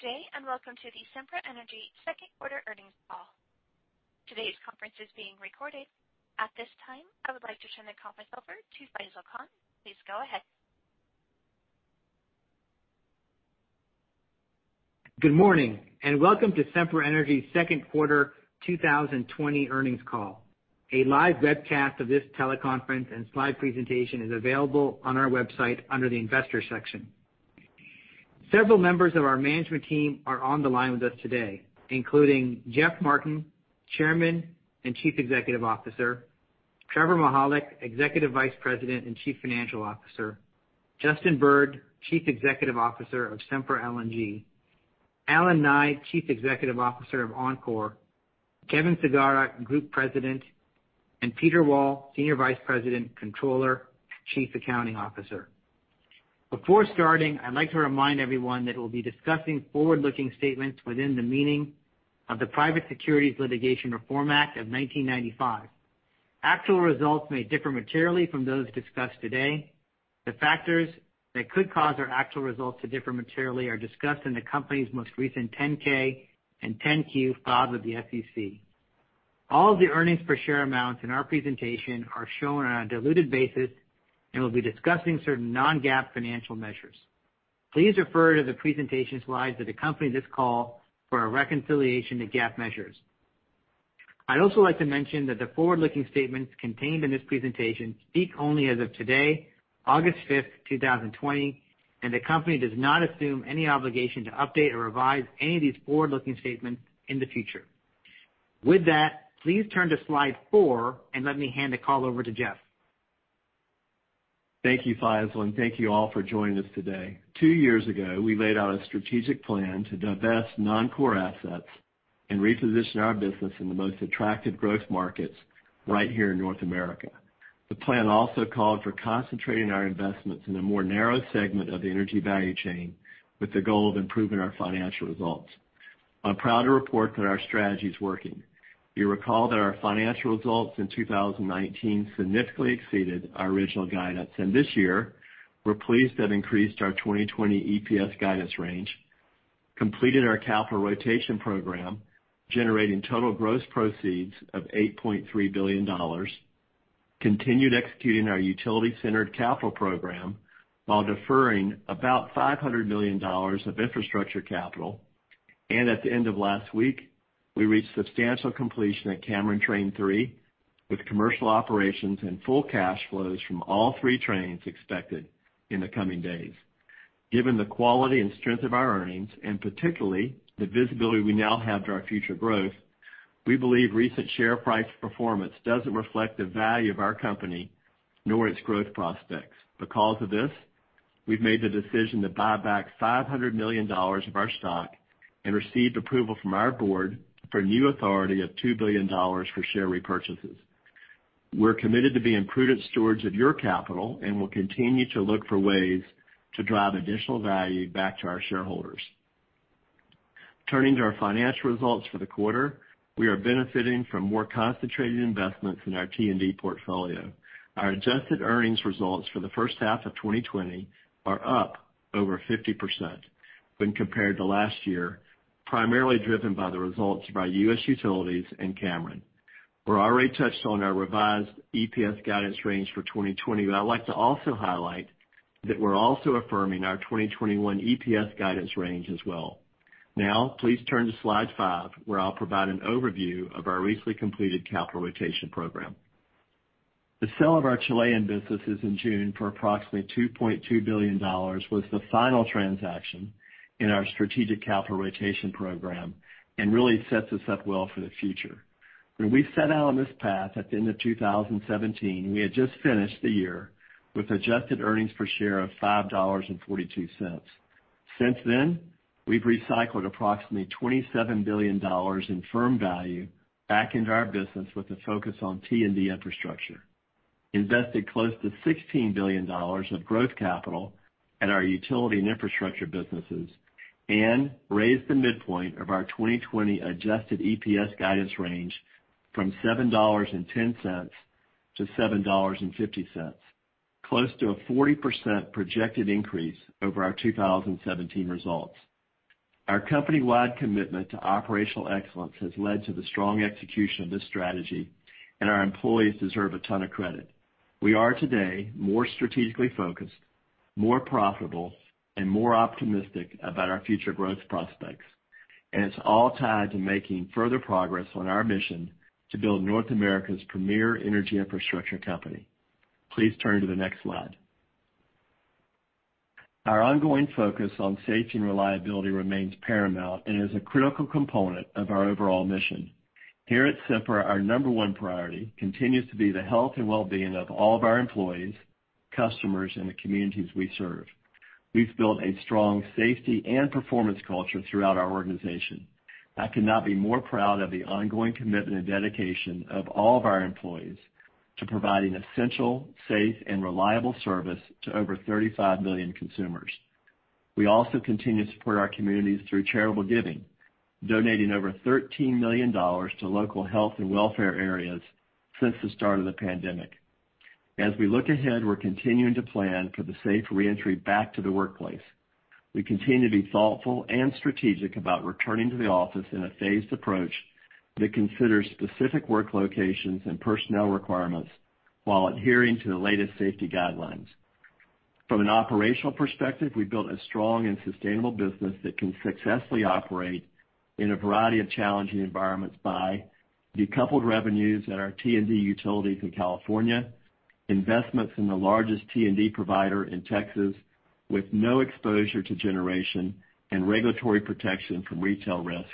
Good day and welcome to the Sempra Energy second quarter earnings call. Today’s conference is being recorded. At this time, I would like to turn the conference over to Faisel Khan. Please go ahead. Good morning, welcome to Sempra Energy second quarter 2020 earnings call. A live webcast of this teleconference and slide presentation is available on our website under the investor section. Several members of our management team are on the line with us today, including Jeff Martin, Chairman and Chief Executive Officer, Trevor Mihalik, Executive Vice President and Chief Financial Officer, Justin Bird, Chief Executive Officer of Sempra LNG, Allen Nye, Chief Executive Officer of Oncor, Kevin Sagara, Group President, and Peter Wall, Senior Vice President, Controller, Chief Accounting Officer. Before starting, I'd like to remind everyone that we'll be discussing forward-looking statements within the meaning of the Private Securities Litigation Reform Act of 1995. Actual results may differ materially from those discussed today. The factors that could cause our actual results to differ materially are discussed in the company's most recent 10-K and 10-Q filed with the SEC. All of the earnings per share amounts in our presentation are shown on a diluted basis, and we'll be discussing certain non-GAAP financial measures. Please refer to the presentation slides that accompany this call for a reconciliation to GAAP measures. I'd also like to mention that the forward-looking statements contained in this presentation speak only as of today, August 5th, 2020, and the company does not assume any obligation to update or revise any of these forward-looking statements in the future. With that, please turn to slide four, and let me hand the call over to Jeff. Thank you, Faisel, and thank you all for joining us today. Two years ago, we laid out a strategic plan to divest non-core assets and reposition our business in the most attractive growth markets right here in North America. The plan also called for concentrating our investments in a more narrow segment of the energy value chain with the goal of improving our financial results. I'm proud to report that our strategy is working. You recall that our financial results in 2019 significantly exceeded our original guidance, and this year, we're pleased to have increased our 2020 EPS guidance range, completed our capital rotation program, generating total gross proceeds of $8.3 billion, continued executing our utility-centered capital program while deferring about $500 million of infrastructure capital. At the end of last week, we reached substantial completion at Cameron Train 3, with commercial operations and full cash flows from all three trains expected in the coming days. Given the quality and strength of our earnings, and particularly the visibility we now have to our future growth, we believe recent share price performance doesn't reflect the value of our company, nor its growth prospects. Because of this, we've made the decision to buy back $500 million of our stock and received approval from our board for new authority of $2 billion for share repurchases. We're committed to being prudent stewards of your capital and will continue to look for ways to drive additional value back to our shareholders. Turning to our financial results for the quarter, we are benefiting from more concentrated investments in our T&D portfolio. Our adjusted earnings results for the first half of 2020 are up over 50% when compared to last year, primarily driven by the results of our U.S. utilities and Cameron. We already touched on our revised EPS guidance range for 2020, but I'd like to also highlight that we're also affirming our 2021 EPS guidance range as well. Now, please turn to slide five, where I'll provide an overview of our recently completed capital rotation program. The sale of our Chilean businesses in June for approximately $2.2 billion was the final transaction in our strategic capital rotation program and really sets us up well for the future. When we set out on this path at the end of 2017, we had just finished the year with adjusted earnings per share of $5.42. Since then, we've recycled approximately $27 billion in firm value back into our business with a focus on T&D infrastructure, invested close to $16 billion of growth capital at our utility and infrastructure businesses, and raised the midpoint of our 2020 adjusted EPS guidance range from $7.10-$7.50, close to a 40% projected increase over our 2017 results. Our company-wide commitment to operational excellence has led to the strong execution of this strategy, and our employees deserve a ton of credit. We are today more strategically focused, more profitable, and more optimistic about our future growth prospects. It's all tied to making further progress on our mission to build North America's premier energy infrastructure company. Please turn to the next slide. Our ongoing focus on safety and reliability remains paramount and is a critical component of our overall mission. Here at Sempra, our number one priority continues to be the health and well-being of all of our employees, customers, and the communities we serve. We've built a strong safety and performance culture throughout our organization. I could not be more proud of the ongoing commitment and dedication of all of our employees to providing essential, safe, and reliable service to over 35 million consumers. We also continue to support our communities through charitable giving, donating over $13 million to local health and welfare areas since the start of the pandemic. As we look ahead, we're continuing to plan for the safe reentry back to the workplace. We continue to be thoughtful and strategic about returning to the office in a phased approach that considers specific work locations and personnel requirements while adhering to the latest safety guidelines. From an operational perspective, we've built a strong and sustainable business that can successfully operate in a variety of challenging environments by decoupled revenues at our T&D utilities in California, investments in the largest T&D provider in Texas with no exposure to generation and regulatory protection from retail risk,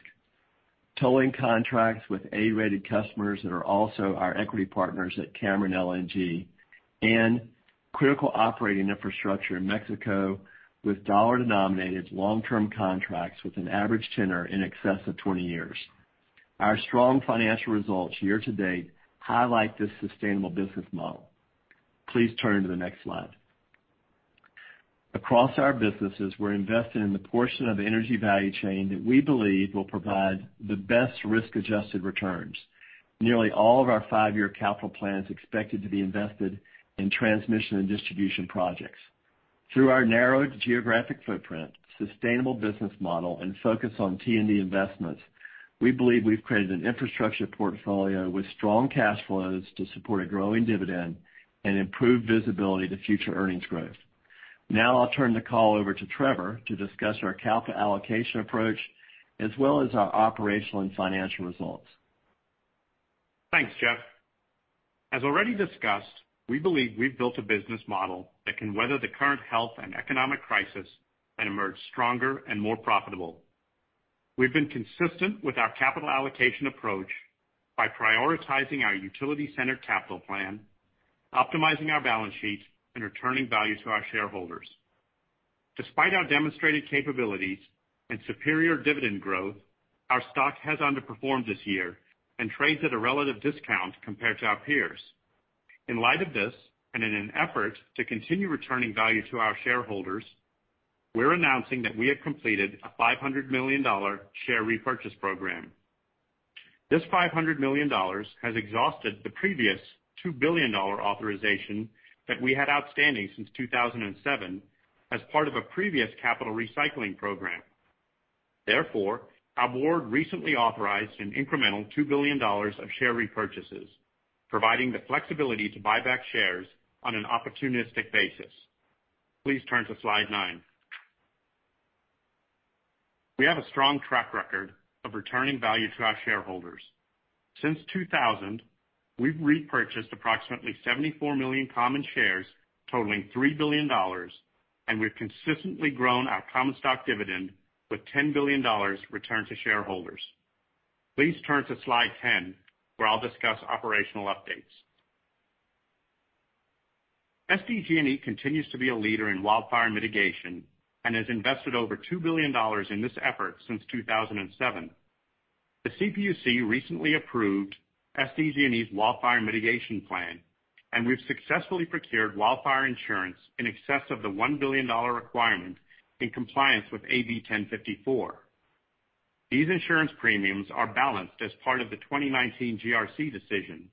tolling contracts with A-rated customers that are also our equity partners at Cameron LNG, and critical operating infrastructure in Mexico with dollar-denominated long-term contracts with an average tenure in excess of 20 years. Our strong financial results year-to-date highlight this sustainable business model. Please turn to the next slide. Across our businesses, we're invested in the portion of the energy value chain that we believe will provide the best risk-adjusted returns. Nearly all of our five-year capital plan is expected to be invested in transmission and distribution projects. Through our narrowed geographic footprint, sustainable business model, and focus on T&D investments, we believe we've created an infrastructure portfolio with strong cash flows to support a growing dividend and improved visibility to future earnings growth. Now I'll turn the call over to Trevor to discuss our capital allocation approach, as well as our operational and financial results. Thanks, Jeff. As already discussed, we believe we've built a business model that can weather the current health and economic crisis and emerge stronger and more profitable. We've been consistent with our capital allocation approach by prioritizing our utility-centered capital plan, optimizing our balance sheet, and returning value to our shareholders. Despite our demonstrated capabilities and superior dividend growth, our stock has underperformed this year and trades at a relative discount compared to our peers. In light of this, and in an effort to continue returning value to our shareholders, we're announcing that we have completed a $500 million share repurchase program. This $500 million has exhausted the previous $2 billion authorization that we had outstanding since 2007 as part of a previous capital recycling program. Therefore, our board recently authorized an incremental $2 billion of share repurchases, providing the flexibility to buy back shares on an opportunistic basis. Please turn to slide nine. We have a strong track record of returning value to our shareholders. Since 2000, we've repurchased approximately 74 million common shares totaling $3 billion. We've consistently grown our common stock dividend with $10 billion returned to shareholders. Please turn to slide 10, where I'll discuss operational updates. SDG&E continues to be a leader in wildfire mitigation and has invested over $2 billion in this effort since 2007. The CPUC recently approved SDG&E's wildfire mitigation plan. We've successfully procured wildfire insurance in excess of the $1 billion requirement in compliance with AB 1054. These insurance premiums are balanced as part of the 2019 GRC decision.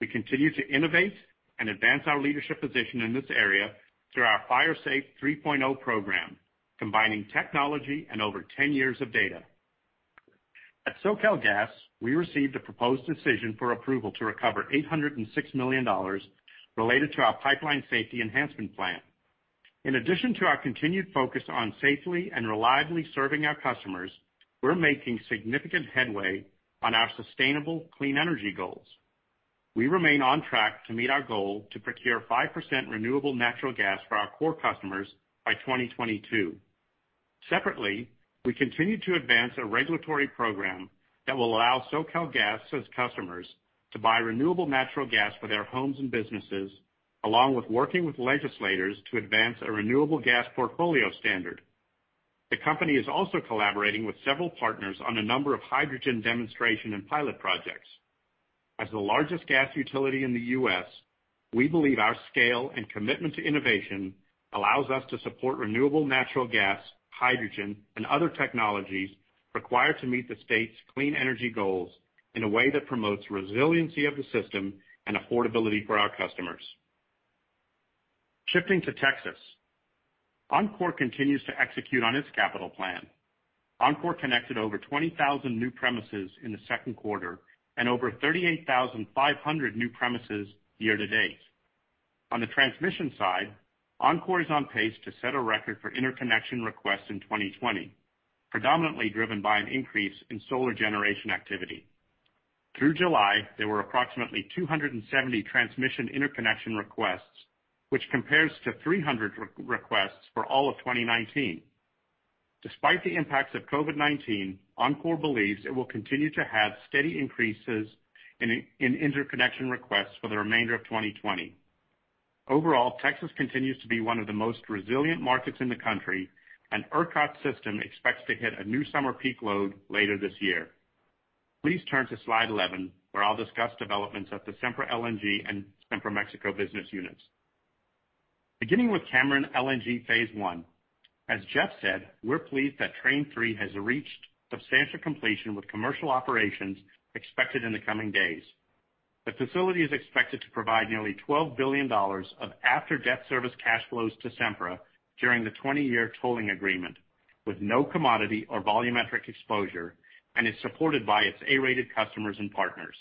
We continue to innovate and advance our leadership position in this area through our Fire Safe 3.0 program, combining technology and over 10 years of data. At SoCalGas, we received a proposed decision for approval to recover $806 million related to our Pipeline Safety Enhancement Plan. In addition to our continued focus on safely and reliably serving our customers, we are making significant headway on our sustainable, clean energy goals. We remain on track to meet our goal to procure 5% renewable natural gas for our core customers by 2022. Separately, we continue to advance a regulatory program that will allow SoCalGas's customers to buy renewable natural gas for their homes and businesses, along with working with legislators to advance a renewable gas portfolio standard. The company is also collaborating with several partners on a number of hydrogen demonstration and pilot projects. As the largest gas utility in the U.S., we believe our scale and commitment to innovation allows us to support renewable natural gas, hydrogen, and other technologies required to meet the state's clean energy goals in a way that promotes resiliency of the system and affordability for our customers. Shifting to Texas. Oncor continues to execute on its capital plan. Oncor connected over 20,000 new premises in the second quarter and over 38,500 new premises year-to-date. On the transmission side, Oncor is on pace to set a record for interconnection requests in 2020, predominantly driven by an increase in solar generation activity. Through July, there were approximately 270 transmission interconnection requests, which compares to 300 requests for all of 2019. Despite the impacts of COVID-19, Oncor believes it will continue to have steady increases in interconnection requests for the remainder of 2020. Overall, Texas continues to be one of the most resilient markets in the country, and ERCOT system expects to hit a new summer peak load later this year. Please turn to slide 11, where I'll discuss developments at the Sempra LNG and Sempra Mexico business units. Beginning with Cameron LNG phase I. As Jeff said, we're pleased that Train Three has reached substantial completion with commercial operations expected in the coming days. The facility is expected to provide nearly $12 billion of after-debt service cash flows to Sempra during the 20-year tolling agreement with no commodity or volumetric exposure and is supported by its A-rated customers and partners.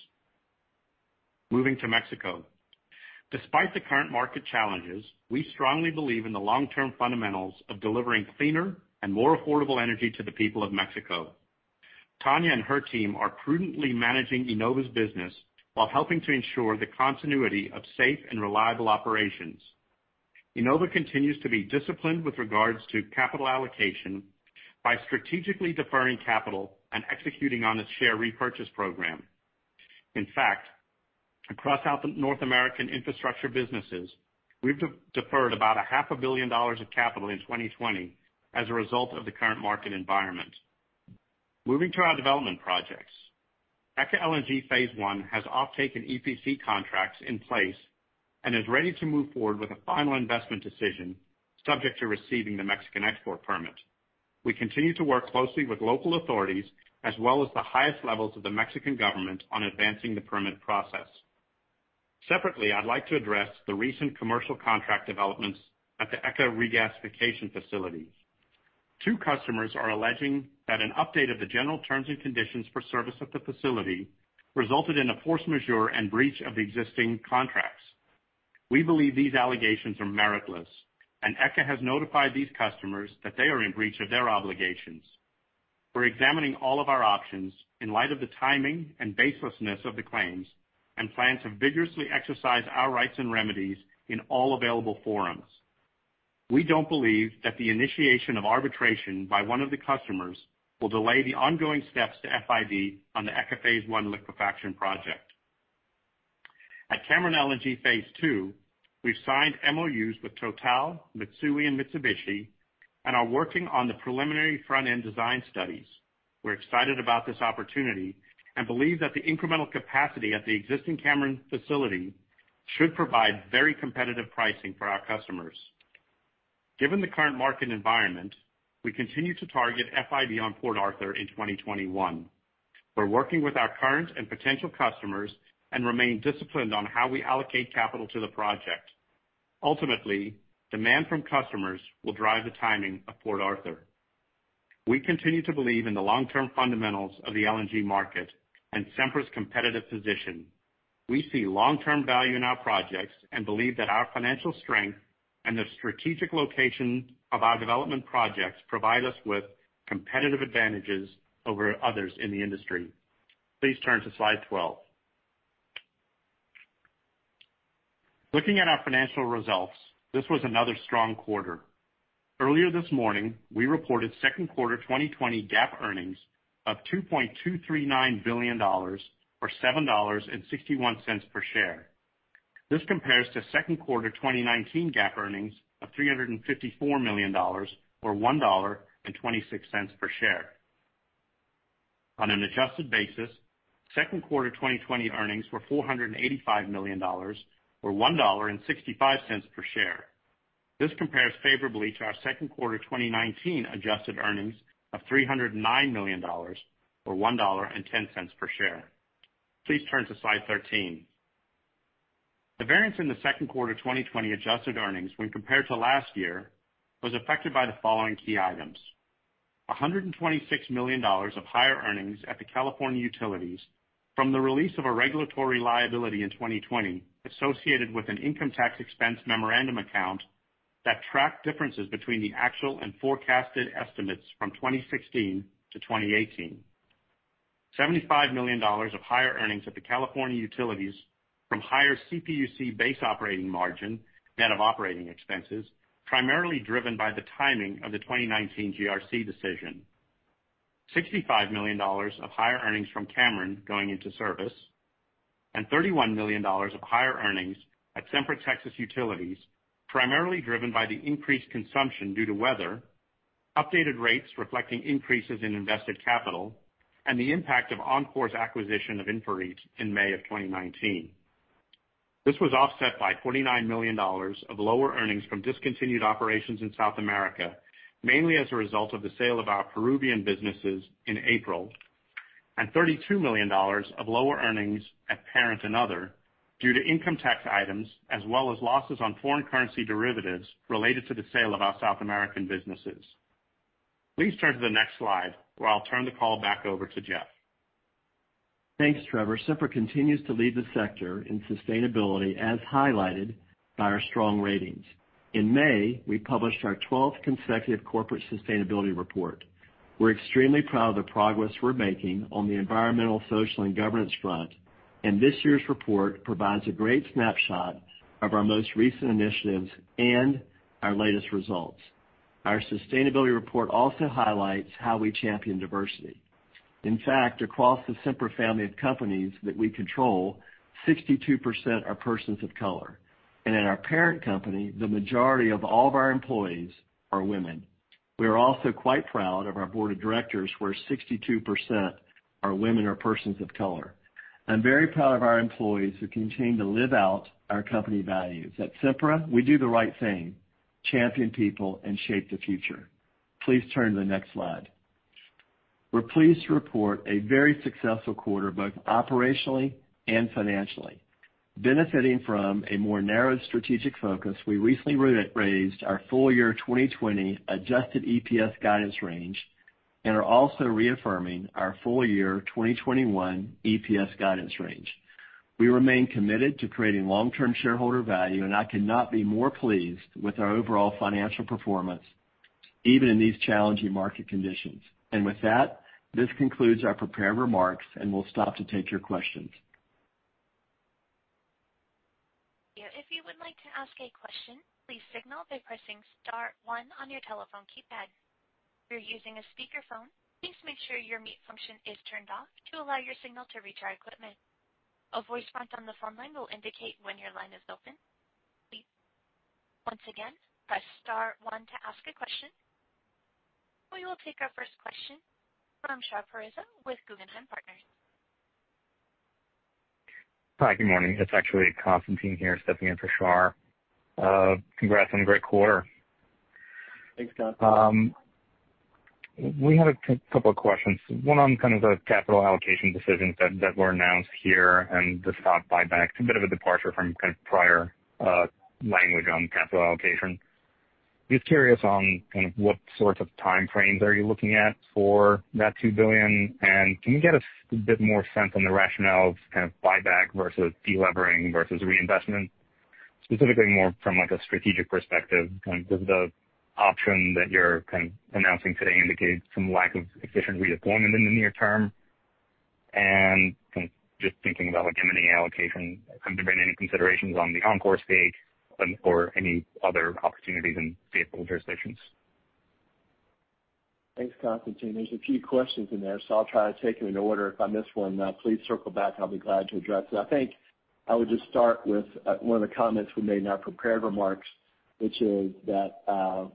Moving to Mexico. Despite the current market challenges, we strongly believe in the long-term fundamentals of delivering cleaner and more affordable energy to the people of Mexico. Tania and her team are prudently managing IEnova's business while helping to ensure the continuity of safe and reliable operations. IEnova continues to be disciplined with regards to capital allocation by strategically deferring capital and executing on its share repurchase program. In fact, across North American infrastructure businesses, we've deferred about half a billion dollars of capital in 2020 as a result of the current market environment. Moving to our development projects. ECA LNG phase I has offtake and EPC contracts in place and is ready to move forward with a final investment decision subject to receiving the Mexican export permit. We continue to work closely with local authorities as well as the highest levels of the Mexican Government on advancing the permit process. Separately, I'd like to address the recent commercial contract developments at the ECA regasification facility. Two customers are alleging that an update of the general terms and conditions for service at the facility resulted in a force majeure and breach of existing contracts. We believe these allegations are meritless, and ECA has notified these customers that they are in breach of their obligations. We're examining all of our options in light of the timing and baselessness of the claims and plan to vigorously exercise our rights and remedies in all available forums. We don't believe that the initiation of arbitration by one of the customers will delay the ongoing steps to FID on the ECA phase I liquefaction project. At Cameron LNG phase II, we've signed MOUs with Total, Mitsui, and Mitsubishi and are working on the preliminary front-end design studies. We're excited about this opportunity and believe that the incremental capacity at the existing Cameron facility should provide very competitive pricing for our customers. Given the current market environment, we continue to target FID on Port Arthur in 2021. We're working with our current and potential customers and remain disciplined on how we allocate capital to the project. Ultimately, demand from customers will drive the timing of Port Arthur. We continue to believe in the long-term fundamentals of the LNG market and Sempra's competitive position. We see long-term value in our projects and believe that our financial strength and the strategic location of our development projects provide us with competitive advantages over others in the industry. Please turn to slide 12. Looking at our financial results, this was another strong quarter. Earlier this morning, we reported second quarter 2020 GAAP earnings of $2.239 billion or $7.61 per share. This compares to second quarter 2019 GAAP earnings of $354 million or $1.26 per share. On an adjusted basis, second quarter 2020 earnings were $485 million or $1.65 per share. This compares favorably to our second quarter 2019 adjusted earnings of $309 million or $1.10 per share. Please turn to slide 13. The variance in the second quarter 2020 adjusted earnings when compared to last year was affected by the following key items. $126 million of higher earnings at the California utilities from the release of a regulatory liability in 2020 associated with an income tax expense memorandum account that tracked differences between the actual and forecasted estimates from 2016 to 2018. $75 million of higher earnings at the California utilities from higher CPUC base operating margin, net of operating expenses, primarily driven by the timing of the 2019 GRC decision. $65 million of higher earnings from Cameron going into service, and $31 million of higher earnings at Sempra Texas Utilities, primarily driven by the increased consumption due to weather, updated rates reflecting increases in invested capital, and the impact of Oncor's acquisition of InfraREIT in May of 2019. This was offset by $49 million of lower earnings from discontinued operations in South America, mainly as a result of the sale of our Peruvian businesses in April, and $32 million of lower earnings at parent and other due to income tax items as well as losses on foreign currency derivatives related to the sale of our South American businesses. Please turn to the next slide where I'll turn the call back over to Jeff. Thanks, Trevor. Sempra continues to lead the sector in sustainability as highlighted by our strong ratings. In May, we published our 12th consecutive corporate sustainability report. We're extremely proud of the progress we're making on the environmental, social, and governance front. This year's report provides a great snapshot of our most recent initiatives and our latest results. Our sustainability report also highlights how we champion diversity. In fact, across the Sempra family of companies that we control, 62% are persons of color. In our parent company, the majority of all of our employees are women. We are also quite proud of our board of directors, where 62% are women or persons of color. I'm very proud of our employees who continue to live out our company values. At Sempra, we do the right thing, champion people, and shape the future. Please turn to the next slide. We're pleased to report a very successful quarter, both operationally and financially. Benefiting from a more narrow strategic focus, we recently raised our full year 2020 adjusted EPS guidance range and are also reaffirming our full year 2021 EPS guidance range. We remain committed to creating long-term shareholder value. I cannot be more pleased with our overall financial performance, even in these challenging market conditions. With that, this concludes our prepared remarks, and we'll stop to take your questions. If you would like to ask a question, please signal by pressing star one on your telephone keypad. If you're using a speakerphone, please make sure your mute function is turned off to allow your signal to reach our equipment. A voice prompt on the phone line will indicate when your line is open. Once again, press star one to ask a question. We will take our first question from Shahriar Pourreza with Guggenheim Partners. Hi. Good morning. It's actually Konstantin here, stepping in for Shar. Congrats on a great quarter. Thanks, Konstantin. We had a couple of questions. One on kind of the capital allocation decisions that were announced here and the stock buybacks. A bit of a departure from kind of prior language on capital allocation. Just curious on kind of what sorts of time frames are you looking at for that $2 billion, can you give us a bit more sense on the rationale of kind of buyback versus delevering versus reinvestment? Specifically more from a strategic perspective, kind of does the option that you're kind of announcing today indicate some lack of efficient redeployment in the near term? Kind of just thinking about like M&A allocation, kind of different any considerations on the Oncor stake or any other opportunities in state or jurisdictions? Thanks, Konstantin. There's a few questions in there. I'll try to take them in order. If I miss one, please circle back and I'll be glad to address it. I think I would just start with one of the comments we made in our prepared remarks, which is that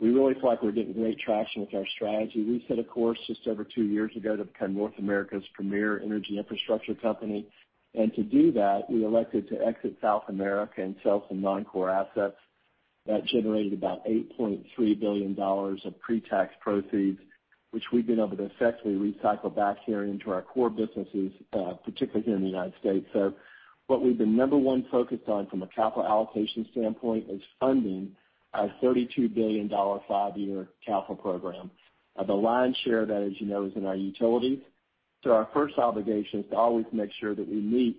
we really feel like we're getting great traction with our strategy. We set a course just over two years ago to become North America's premier energy infrastructure company. To do that, we elected to exit South America and sell some non-core assets that generated about $8.3 billion of pre-tax proceeds, which we've been able to effectively recycle back here into our core businesses, particularly here in the United States. What we've been number one focused on from a capital allocation standpoint is funding our $32 billion five-year capital program. The lion's share of that, as you know, is in our utilities. Our first obligation is to always make sure that we meet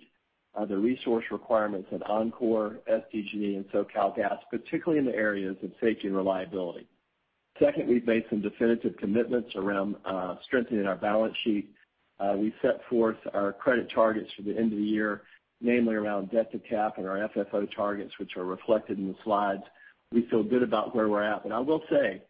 the resource requirements of Oncor, SDG&E, and SoCalGas, particularly in the areas of safety and reliability. Second, we've made some definitive commitments around strengthening our balance sheet. We've set forth our credit targets for the end of the year, namely around debt to cap and our FFO targets, which are reflected in the slides. We feel good about where we're at. I will say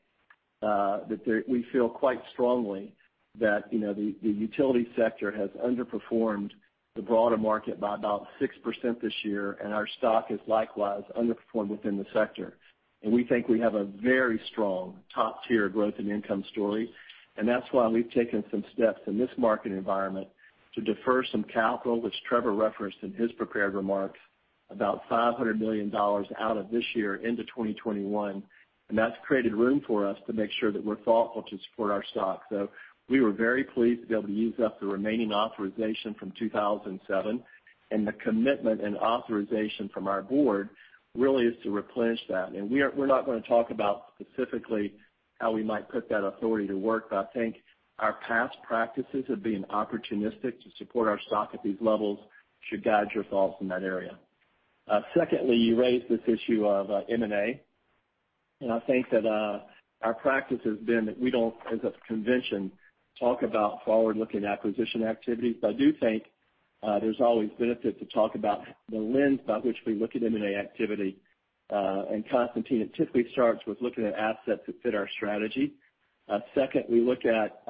that we feel quite strongly that the utility sector has underperformed the broader market by about 6% this year, and our stock has likewise underperformed within the sector. We think we have a very strong top-tier growth and income story. That's why we've taken some steps in this market environment to defer some capital, which Trevor referenced in his prepared remarks, about $500 million out of this year into 2021. That's created room for us to make sure that we're thoughtful to support our stock. We were very pleased to be able to use up the remaining authorization from 2007. The commitment and authorization from our board really is to replenish that. We're not going to talk about specifically how we might put that authority to work. I think our past practices of being opportunistic to support our stock at these levels should guide your thoughts in that area. Secondly, you raised this issue of M&A. I think that our practice has been that we don't, as a convention, talk about forward-looking acquisition activities. I do think there's always benefit to talk about the lens by which we look at M&A activity. Konstantin, it typically starts with looking at assets that fit our strategy. Second, we look at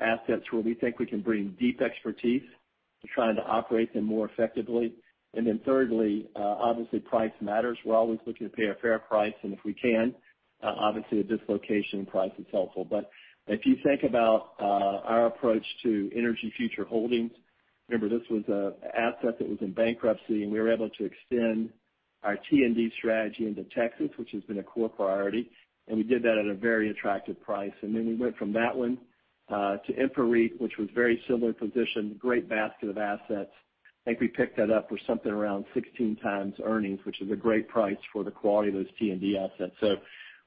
assets where we think we can bring deep expertise to trying to operate them more effectively. Thirdly, obviously price matters. We're always looking to pay a fair price, and if we can, obviously a dislocation in price is helpful. If you think about our approach to Energy Future Holdings, remember, this was an asset that was in bankruptcy, and we were able to extend our T&D strategy into Texas, which has been a core priority, and we did that at a very attractive price. Then we went from that one to InfraREIT, which was very similar position, great basket of assets. I think we picked that up for something around 16 times earnings, which is a great price for the quality of those T&D assets.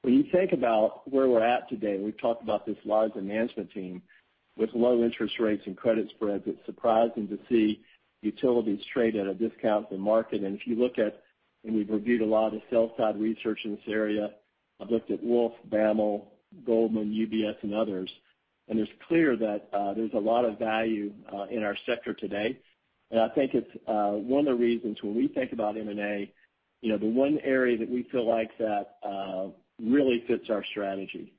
When you think about where we're at today, we've talked about this larger management team. With low interest rates and credit spreads, it's surprising to see utilities trade at a discount to the market. If you look at, and we've reviewed a lot of the sell-side research in this area. I've looked at Wolfe, BAML, Goldman, UBS and others, it's clear that there's a lot of value in our sector today, I think it's one of the reasons when we think about M&A, the one area that we feel like that really fits our strategy,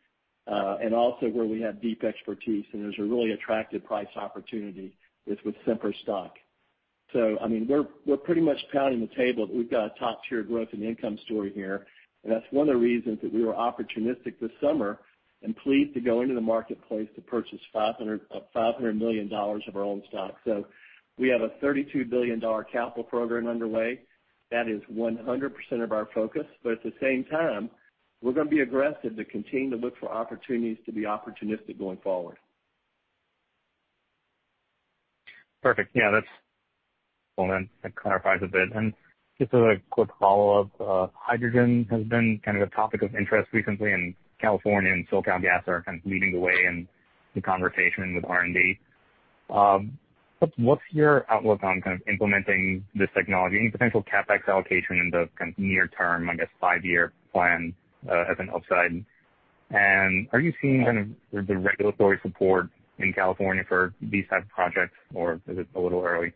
also where we have deep expertise and there's a really attractive price opportunity, is with Sempra's stock. We're pretty much pounding the table that we've got a top-tier growth and income story here, that's one of the reasons that we were opportunistic this summer and pleased to go into the marketplace to purchase $500 million of our own stock. We have a $32 billion capital program underway. That is 100% of our focus. At the same time, we're going to be aggressive to continue to look for opportunities to be opportunistic going forward. Perfect. Yeah. That's that clarifies a bit. Just as a quick follow-up, hydrogen has been kind of a topic of interest recently in California, and SoCalGas are kind of leading the way in the conversation with R&D. What's your outlook on kind of implementing this technology? Any potential CapEx allocation in the kind of near term, I guess, five-year plan, as an upside? Are you seeing kind of the regulatory support in California for these type of projects, or is it a little early?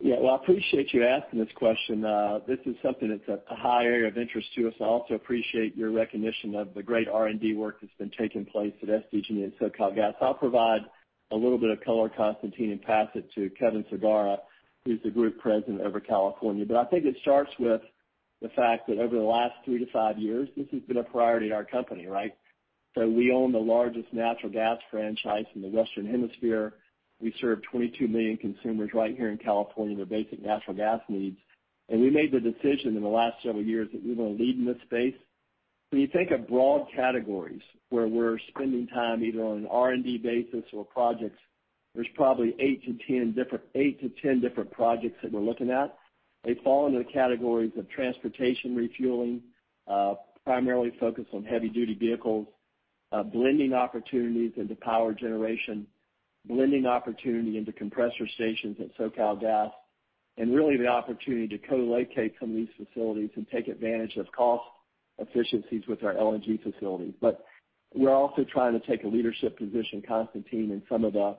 Yeah. Well, I appreciate you asking this question. This is something that's a high area of interest to us. I also appreciate your recognition of the great R&D work that's been taking place at SDG&E and SoCalGas. I'll provide a little bit of color, Konstantin, and pass it to Kevin Sagara, who's the group president over California. I think it starts with the fact that over the last three to five years, this has been a priority in our company, right? We own the largest natural gas franchise in the Western Hemisphere. We serve 22 million consumers right here in California, their basic natural gas needs. We made the decision in the last several years that we're going to lead in this space. When you think of broad categories where we're spending time, either on an R&D basis or projects, there's probably 8-10 different projects that we're looking at. They fall into the categories of transportation refueling, primarily focused on heavy-duty vehicles, blending opportunities into power generation, blending opportunity into compressor stations at SoCalGas, and really the opportunity to colocate some of these facilities and take advantage of cost efficiencies with our LNG facilities. We're also trying to take a leadership position, Konstantin, in some of the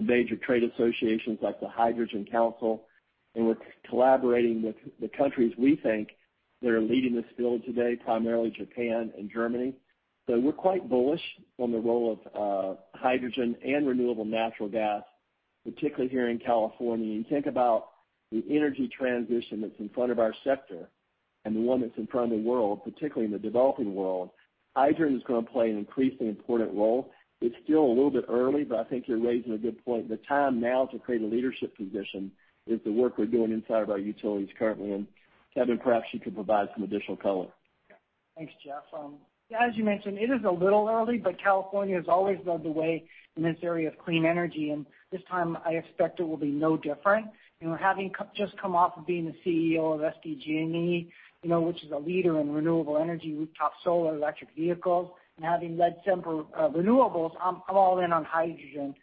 major trade associations like the Hydrogen Council, and we're collaborating with the countries we think that are leading this field today, primarily Japan and Germany. We're quite bullish on the role of hydrogen and renewable natural gas, particularly here in California. You think about the energy transition that's in front of our sector and the one that's in front of the world, particularly in the developing world. Hydrogen is going to play an increasingly important role. It's still a little bit early, but I think you're raising a good point. The time now to create a leadership position is the work we're doing inside of our utilities currently. Kevin, perhaps you could provide some additional color. Yeah. Thanks, Jeff. Yeah, as you mentioned, it is a little early, but California has always led the way in this area of clean energy, and this time I expect it will be no different. Having just come off of being the CEO of SDG&E, which is a leader in renewable energy, rooftop solar, electric vehicles, and having led Sempra Renewables, I'm all in on hydrogen.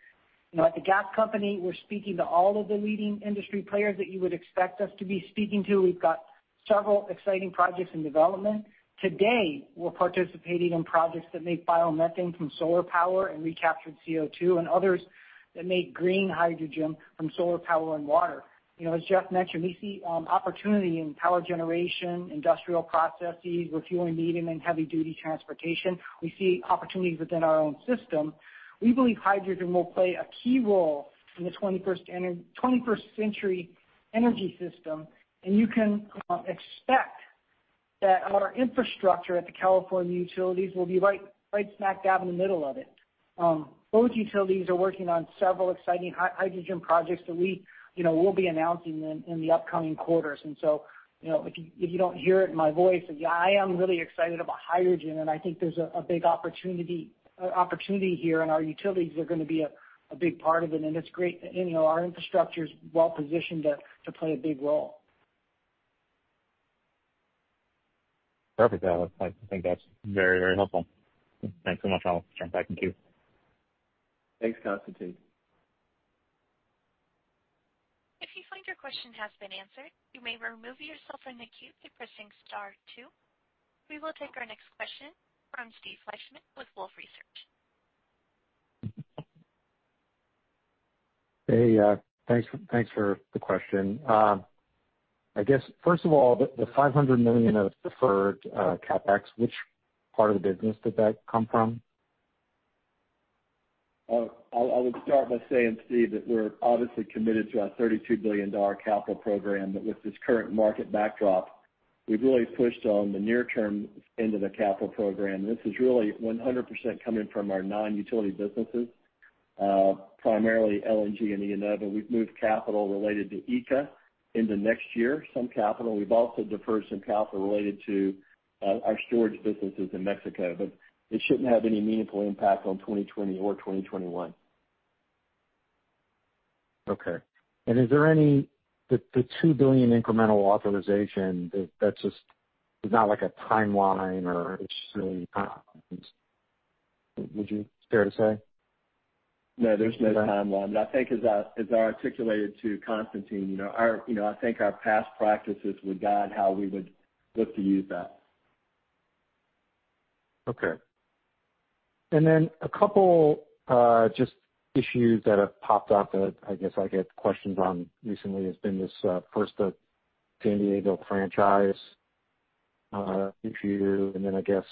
At the gas company, we're speaking to all of the leading industry players that you would expect us to be speaking to. We've got several exciting projects in development. Today, we're participating in projects that make biomethane from solar power and recaptured CO2 and others that make green hydrogen from solar power and water. As Jeff mentioned, we see opportunity in power generation, industrial processes, refueling medium and heavy-duty transportation. We see opportunities within our own system. We believe hydrogen will play a key role in the 21st century energy system, and you can expect that our infrastructure at the California utilities will be right smack dab in the middle of it. Both utilities are working on several exciting hydrogen projects that we'll be announcing in the upcoming quarters. If you don't hear it in my voice, I am really excited about hydrogen and I think there's a big opportunity here and our utilities are going to be a big part of it. It's great that our infrastructure is well-positioned to play a big role. Perfect. I think that's very, very helpful. Thanks so much. I'll jump back in the queue. Thanks, Konstantin. We will take our next question from Steve Fleishman with Wolfe Research. Hey, thanks for the question. I guess first of all, the $500 million of deferred CapEx, which part of the business did that come from? I would start by saying, Steve, that we're obviously committed to our $32 billion capital program. With this current market backdrop, we've really pushed on the near-term end of the capital program. This is really 100% coming from our non-utility businesses, primarily LNG and IEnova. We've moved capital related to ECA into next year. We've also deferred some capital related to our storage businesses in Mexico. It shouldn't have any meaningful impact on 2020 or 2021. Okay. The $2 billion incremental authorization, there's not like a timeline or would you care to say? No, there's no timeline. I think as I articulated to Konstantin, I think our past practices would guide how we would look to use that. Okay. A couple, just issues that have popped up that I guess I get questions on recently has been this, first, the San Diego franchise-issue, and then I guess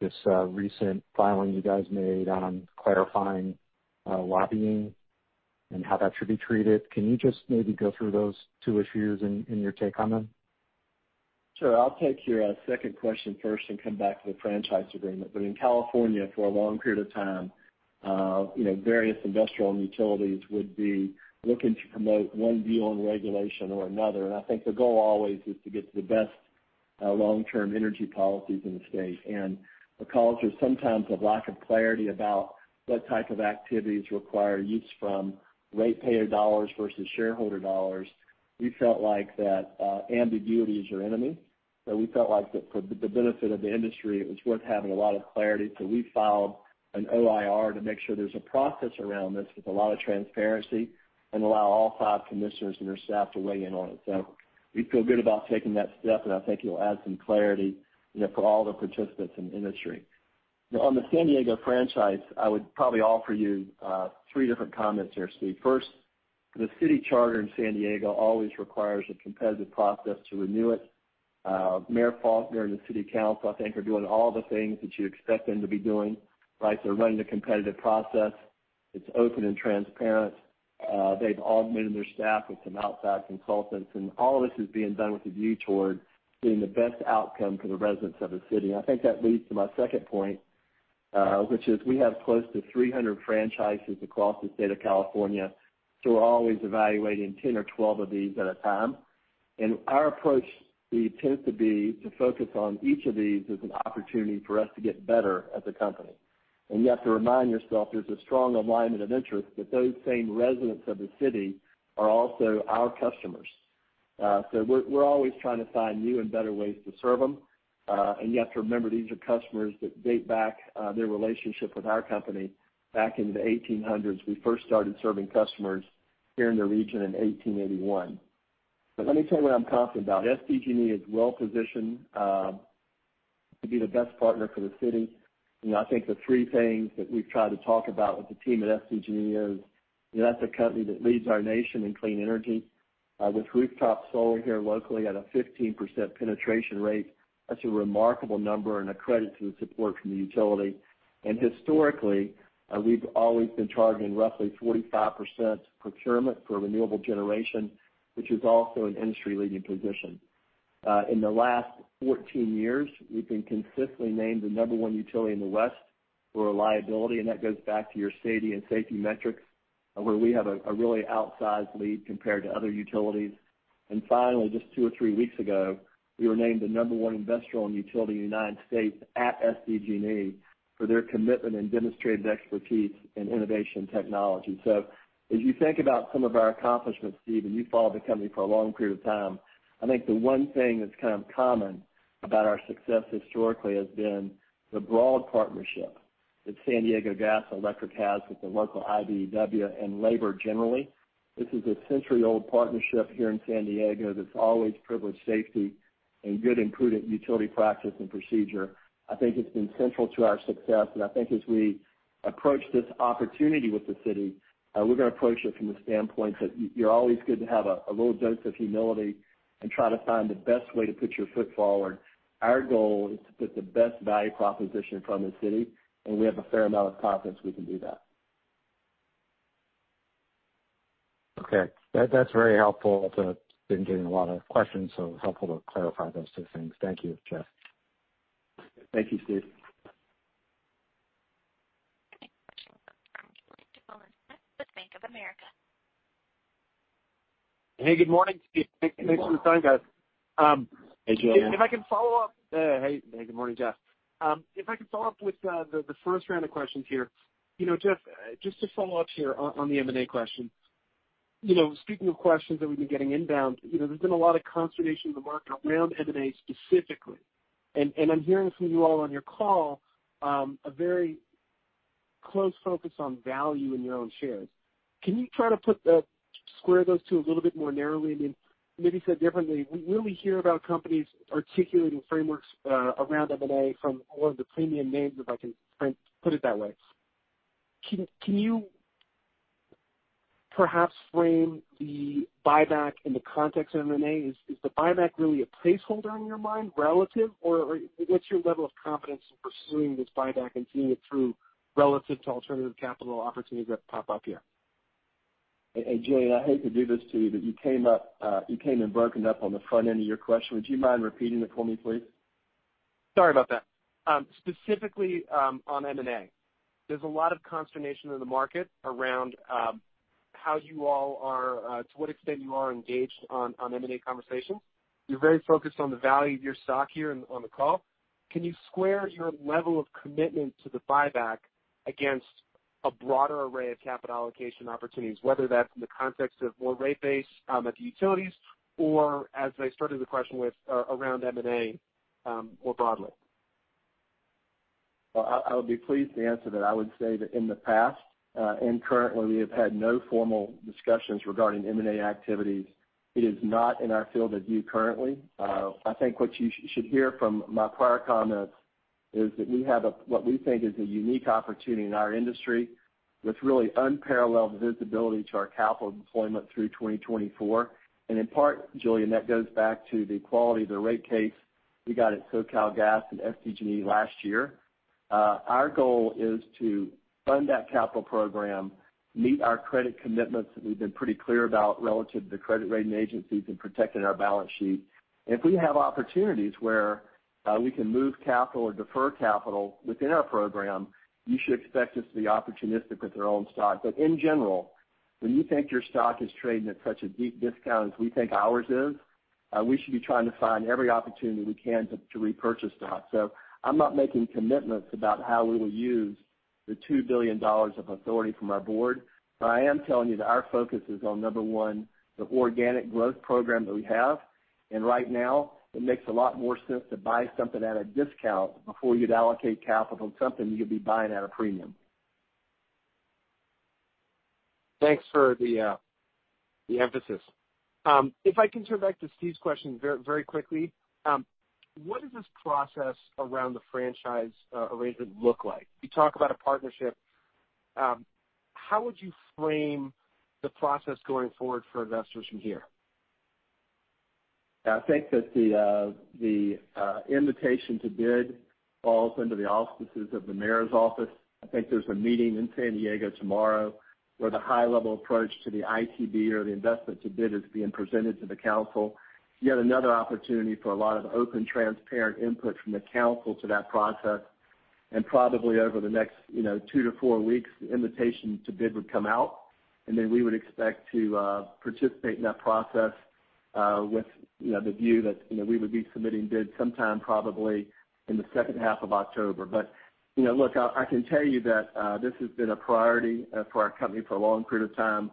this recent filing you guys made on clarifying lobbying and how that should be treated. Can you just maybe go through those two issues and your take on them? Sure. I'll take your second question first and come back to the franchise agreement. In California, for a long period of time, various industrial and utilities would be looking to promote one view on regulation or another. I think the goal always is to get to the best long-term energy policies in the state. Because there's sometimes a lack of clarity about what type of activities require use from ratepayer dollars versus shareholder dollars, we felt like that ambiguity is your enemy. We felt like for the benefit of the industry, it was worth having a lot of clarity. We filed an OIR to make sure there's a process around this with a lot of transparency and allow all five commissioners and their staff to weigh in on it. We feel good about taking that step, and I think it'll add some clarity for all the participants in the industry. On the San Diego franchise, I would probably offer you three different comments there, Steve. First, the city charter in San Diego always requires a competitive process to renew it. Mayor Faulconer and the city council, I think, are doing all the things that you expect them to be doing. Running a competitive process. It's open and transparent. They've augmented their staff with some outside consultants, and all of this is being done with a view toward getting the best outcome for the residents of the city. I think that leads to my second point, which is we have close to 300 franchises across the state of California, so we're always evaluating 10 or 12 of these at a time. Our approach, Steve, tends to be to focus on each of these as an opportunity for us to get better as a company. You have to remind yourself there's a strong alignment of interest that those same residents of the city are also our customers. We're always trying to find new and better ways to serve them. You have to remember, these are customers that date back, their relationship with our company, back into the 1800s. We first started serving customers here in the region in 1881. Let me tell you what I'm confident about. SDG&E is well-positioned to be the best partner for the city. I think the three things that we've tried to talk about with the team at SDG&E is that's a company that leads our nation in clean energy, with rooftop solar here locally at a 15% penetration rate. That's a remarkable number and a credit to the support from the utility. Historically, we've always been charging roughly 45% procurement for renewable generation, which is also an industry-leading position. In the last 14 years, we've been consistently named the number one utility in the West for reliability, and that goes back to your safety and safety metrics, where we have a really outsized lead compared to other utilities. Finally, just two or three weeks ago, we were named the number one industrial and utility in the U.S. at SDG&E for their commitment and demonstrated expertise in innovation technology. As you think about some of our accomplishments, Steve, and you've followed the company for a long period of time, I think the one thing that's kind of common about our success historically has been the broad partnership that San Diego Gas & Electric has with the local IBEW and labor generally. This is a century-old partnership here in San Diego that's always privileged safety and good and prudent utility practice and procedure. I think it's been central to our success, and I think as we approach this opportunity with the city, we're going to approach it from the standpoint that you're always good to have a little dose of humility and try to find the best way to put your foot forward. Our goal is to put the best value proposition in front of the city, and we have a fair amount of confidence we can do that. Okay. That's very helpful. Been getting a lot of questions, so it's helpful to clarify those two things. Thank you, Jeff. Thank you, Steve. Next question comes from Julien Dumoulin-Smith with Bank of America. Hey, good morning. Thanks for the time, guys. Hey, Julien. Hey, good morning, Jeff. If I can follow up with the first round of questions here. Jeff, just to follow up here on the M&A question. Speaking of questions that we've been getting inbound, there's been a lot of consternation in the market around M&A specifically. I'm hearing from you all on your call, a very close focus on value in your own shares. Can you try to square those two a little bit more narrowly? I mean, maybe said differently, we rarely hear about companies articulating frameworks around M&A from all of the premium names, if I can put it that way. Can you perhaps frame the buyback in the context of M&A? Is the buyback really a placeholder on your mind, relative? What's your level of confidence in pursuing this buyback and seeing it through relative to alternative capital opportunities that pop up here? Hey, Julien, I hate to do this to you, but you came and broken up on the front end of your question. Would you mind repeating it for me, please? Sorry about that. Specifically on M&A, there's a lot of consternation in the market around to what extent you all are engaged on M&A conversations. You're very focused on the value of your stock here on the call. Can you square your level of commitment to the buyback against a broader array of capital allocation opportunities, whether that's in the context of more rate base at the utilities or, as I started the question with, around M&A more broadly? Well, I would be pleased to answer that. I would say that in the past and currently, we have had no formal discussions regarding M&A activities. It is not in our field of view currently. I think what you should hear from my prior comments is that we have what we think is a unique opportunity in our industry with really unparalleled visibility to our capital deployment through 2024. In part, Julien, that goes back to the quality of the rate case we got at SoCalGas and SDG&E last year. Our goal is to fund that capital program, meet our credit commitments that we've been pretty clear about relative to the credit rating agencies in protecting our balance sheet. If we have opportunities where we can move capital or defer capital within our program, you should expect us to be opportunistic with our own stock. In general, when you think your stock is trading at such a deep discount as we think ours is, we should be trying to find every opportunity we can to repurchase stock. I'm not making commitments about how we will use the $2 billion of authority from our board, but I am telling you that our focus is on, number one, the organic growth program that we have. Right now, it makes a lot more sense to buy something at a discount before you'd allocate capital to something you'd be buying at a premium. Thanks for the emphasis. If I can turn back to Steve's question very quickly. What does this process around the franchise arrangement look like? You talk about a partnership. How would you frame the process going forward for investors from here? I think that the invitation to bid falls under the auspices of the mayor's office. I think there's a meeting in San Diego tomorrow where the high-level approach to the ITB or the invitation to bid is being presented to the council. Yet another opportunity for a lot of open, transparent input from the council to that process. Probably over the next two to four weeks, the invitation to bid would come out, and then we would expect to participate in that process with the view that we would be submitting bids sometime probably in the second half of October. Look, I can tell you that this has been a priority for our company for a long period of time.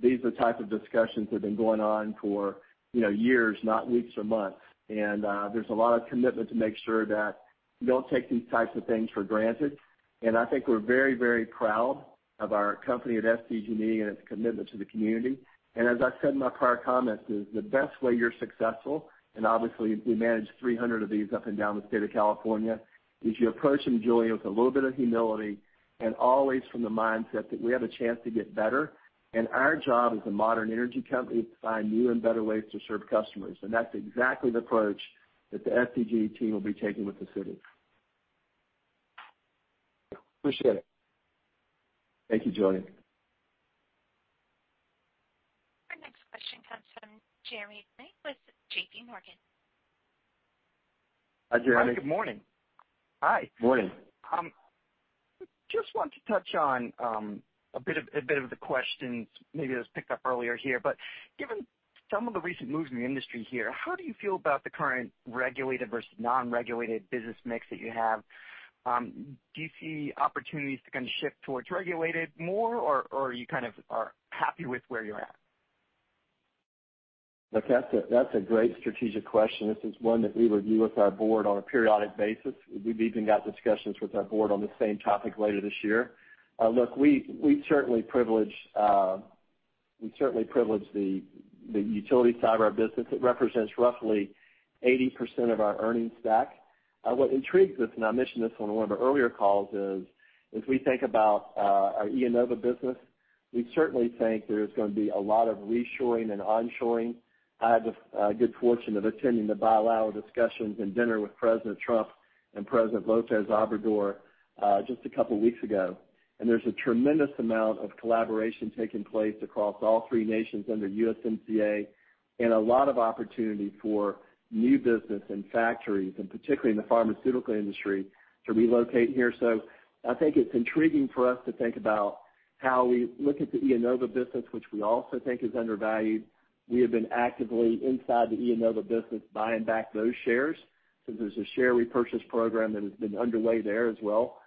These are the types of discussions that have been going on for years, not weeks or months. There's a lot of commitment to make sure that we don't take these types of things for granted. I think we're very proud of our company at SDG&E and its commitment to the community. As I said in my prior comments, is the best way you're successful, obviously we manage 300 of these up and down the state of California, is you approach them, Julien, with a little bit of humility and always from the mindset that we have a chance to get better. Our job as a modern energy company is to find new and better ways to serve customers. That's exactly the approach that the SDG&E team will be taking with the city. Appreciate it. Thank you, Julien. Our next question comes from Jeremy Tonet with JPMorgan. Hi, Jeremy. Good morning. Hi. Morning. Just wanted to touch on a bit of the questions maybe that was picked up earlier here. Given some of the recent moves in the industry here, how do you feel about the current regulated versus non-regulated business mix that you have? Do you see opportunities to kind of shift towards regulated more, or you kind of are happy with where you're at? Look, that's a great strategic question. This is one that we review with our board on a periodic basis. We've even got discussions with our board on the same topic later this year. Look, we certainly privilege the utility side of our business. It represents roughly 80% of our earnings stack. What intrigues us, and I mentioned this on one of our earlier calls, is as we think about our IEnova business, we certainly think there's going to be a lot of reshoring and onshoring. I had the good fortune of attending the bilateral discussions and dinner with President Trump and President López Obrador just a couple of weeks ago, there's a tremendous amount of collaboration taking place across all three nations under USMCA and a lot of opportunity for new business and factories, and particularly in the pharmaceutical industry, to relocate here. I think it's intriguing for us to think about how we look at the IEnova business, which we also think is undervalued. We have been actively inside the IEnova business buying back those shares, so there's a share repurchase program that has been underway there as well.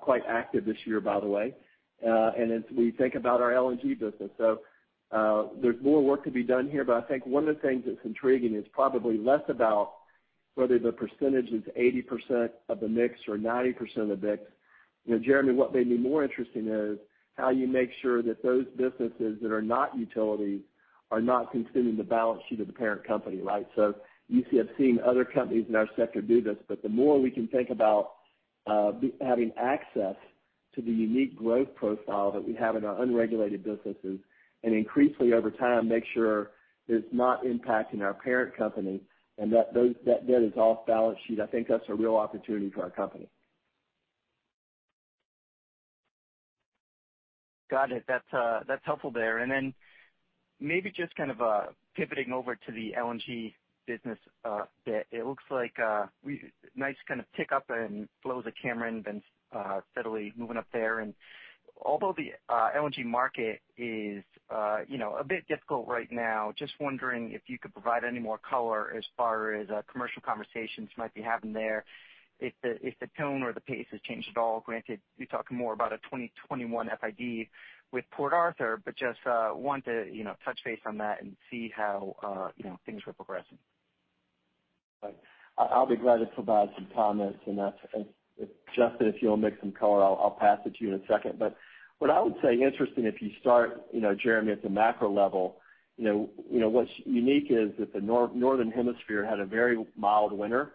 Quite active this year, by the way. As we think about our LNG business. There's more work to be done here, but I think one of the things that's intriguing is probably less about whether the percentage is 80% of the mix or 90% of the mix. Jeremy, what may be more interesting is how you make sure that those businesses that are not utility are not consuming the balance sheet of the parent company, right? You see us seeing other companies in our sector do this, but the more we can think about having access to the unique growth profile that we have in our unregulated businesses and increasingly over time, make sure it's not impacting our parent company and that debt is off balance sheet, I think that's a real opportunity for our company. Got it. That's helpful there. Maybe just kind of pivoting over to the LNG business a bit. It looks like a nice kind of tick up and flow at Cameron been steadily moving up there. Although the LNG market is a bit difficult right now, just wondering if you could provide any more color as far as commercial conversations you might be having there. If the tone or the pace has changed at all, granted, you're talking more about a 2021 FID with Port Arthur, just want to touch base on that and see how things are progressing. Right. I'll be glad to provide some comments on that, and Justin, if you want to make some color, I'll pass it to you in a second. What I would say, interesting, if you start, Jeremy, at the macro level, what's unique is that the Northern Hemisphere had a very mild winter.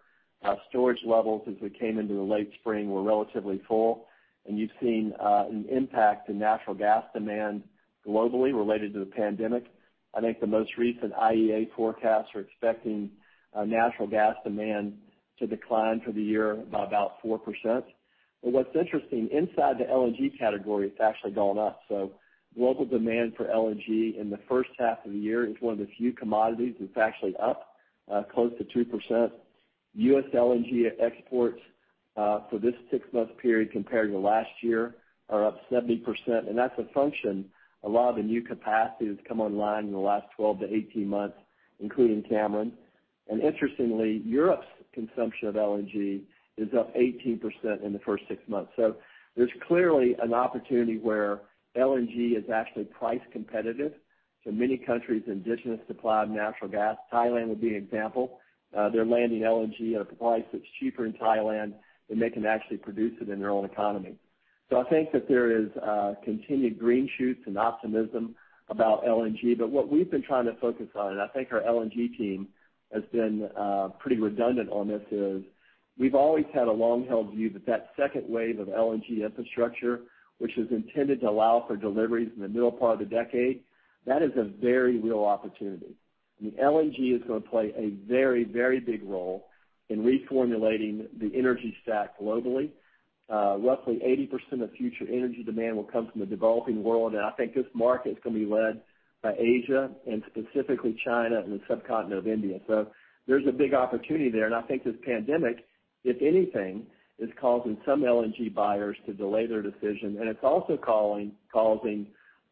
Storage levels, as we came into the late spring, were relatively full, and you've seen an impact in natural gas demand globally related to the pandemic. I think the most recent IEA forecasts are expecting natural gas demand to decline for the year by about 4%. What's interesting, inside the LNG category, it's actually gone up. Global demand for LNG in the first half of the year is one of the few commodities that's actually up close to 2%. U.S. LNG exports for this six-month period compared to last year are up 70%. That's a function. A lot of the new capacity has come online in the last 12-18 months, including Cameron. Interestingly, Europe's consumption of LNG is up 18% in the first six months. There's clearly an opportunity where LNG is actually price competitive to many countries' indigenous supply of natural gas. Thailand would be an example. They're landing LNG at a price that's cheaper in Thailand than they can actually produce it in their own economy. I think that there is continued green shoots and optimism about LNG. What we've been trying to focus on, and I think our LNG team has been pretty redundant on this, is we've always had a long-held view that that second wave of LNG infrastructure, which is intended to allow for deliveries in the middle part of the decade, that is a very real opportunity. I mean, LNG is going to play a very big role in reformulating the energy stack globally. Roughly 80% of future energy demand will come from the developing world, and I think this market is going to be led by Asia, and specifically China and the subcontinent of India. There's a big opportunity there, and I think this pandemic, if anything, is causing some LNG buyers to delay their decision. It's also causing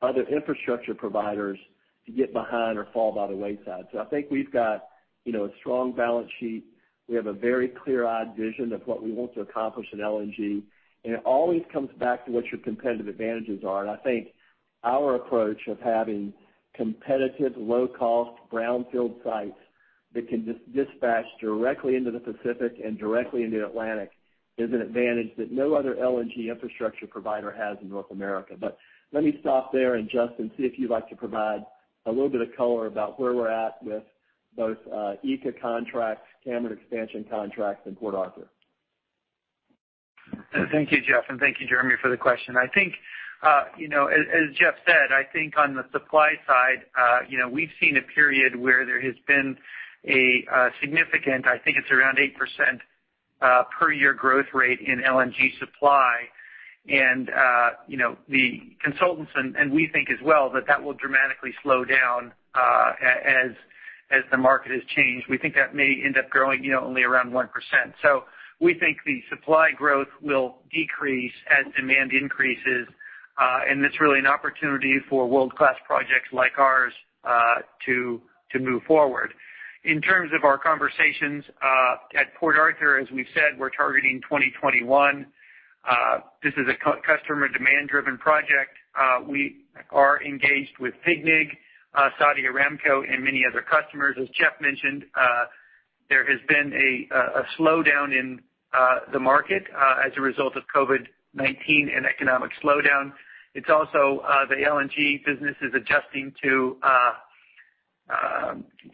other infrastructure providers to get behind or fall by the wayside. I think we've got a strong balance sheet. We have a very clear-eyed vision of what we want to accomplish in LNG, and it always comes back to what your competitive advantages are. I think our approach of having competitive, low-cost brownfield sites that can dispatch directly into the Pacific and directly into the Atlantic is an advantage that no other LNG infrastructure provider has in North America. Let me stop there, and Justin, see if you'd like to provide a little bit of color about where we're at with both ECA contracts, Cameron expansion contracts, and Port Arthur. Thank you, Jeff, and thank you, Jeremy, for the question. As Jeff said, I think on the supply side, we've seen a period where there has been a significant, I think it's around 8% per year growth rate in LNG supply. The consultants, and we think as well, that that will dramatically slow down as the market has changed. We think that may end up growing only around 1%. We think the supply growth will decrease as demand increases. It's really an opportunity for world-class projects like ours to move forward. In terms of our conversations, at Port Arthur, as we've said, we're targeting 2021. This is a customer demand-driven project. We are engaged with PGNiG, Saudi Aramco, and many other customers. As Jeff mentioned, there has been a slowdown in the market as a result of COVID-19 and economic slowdown. It's also the LNG business is adjusting to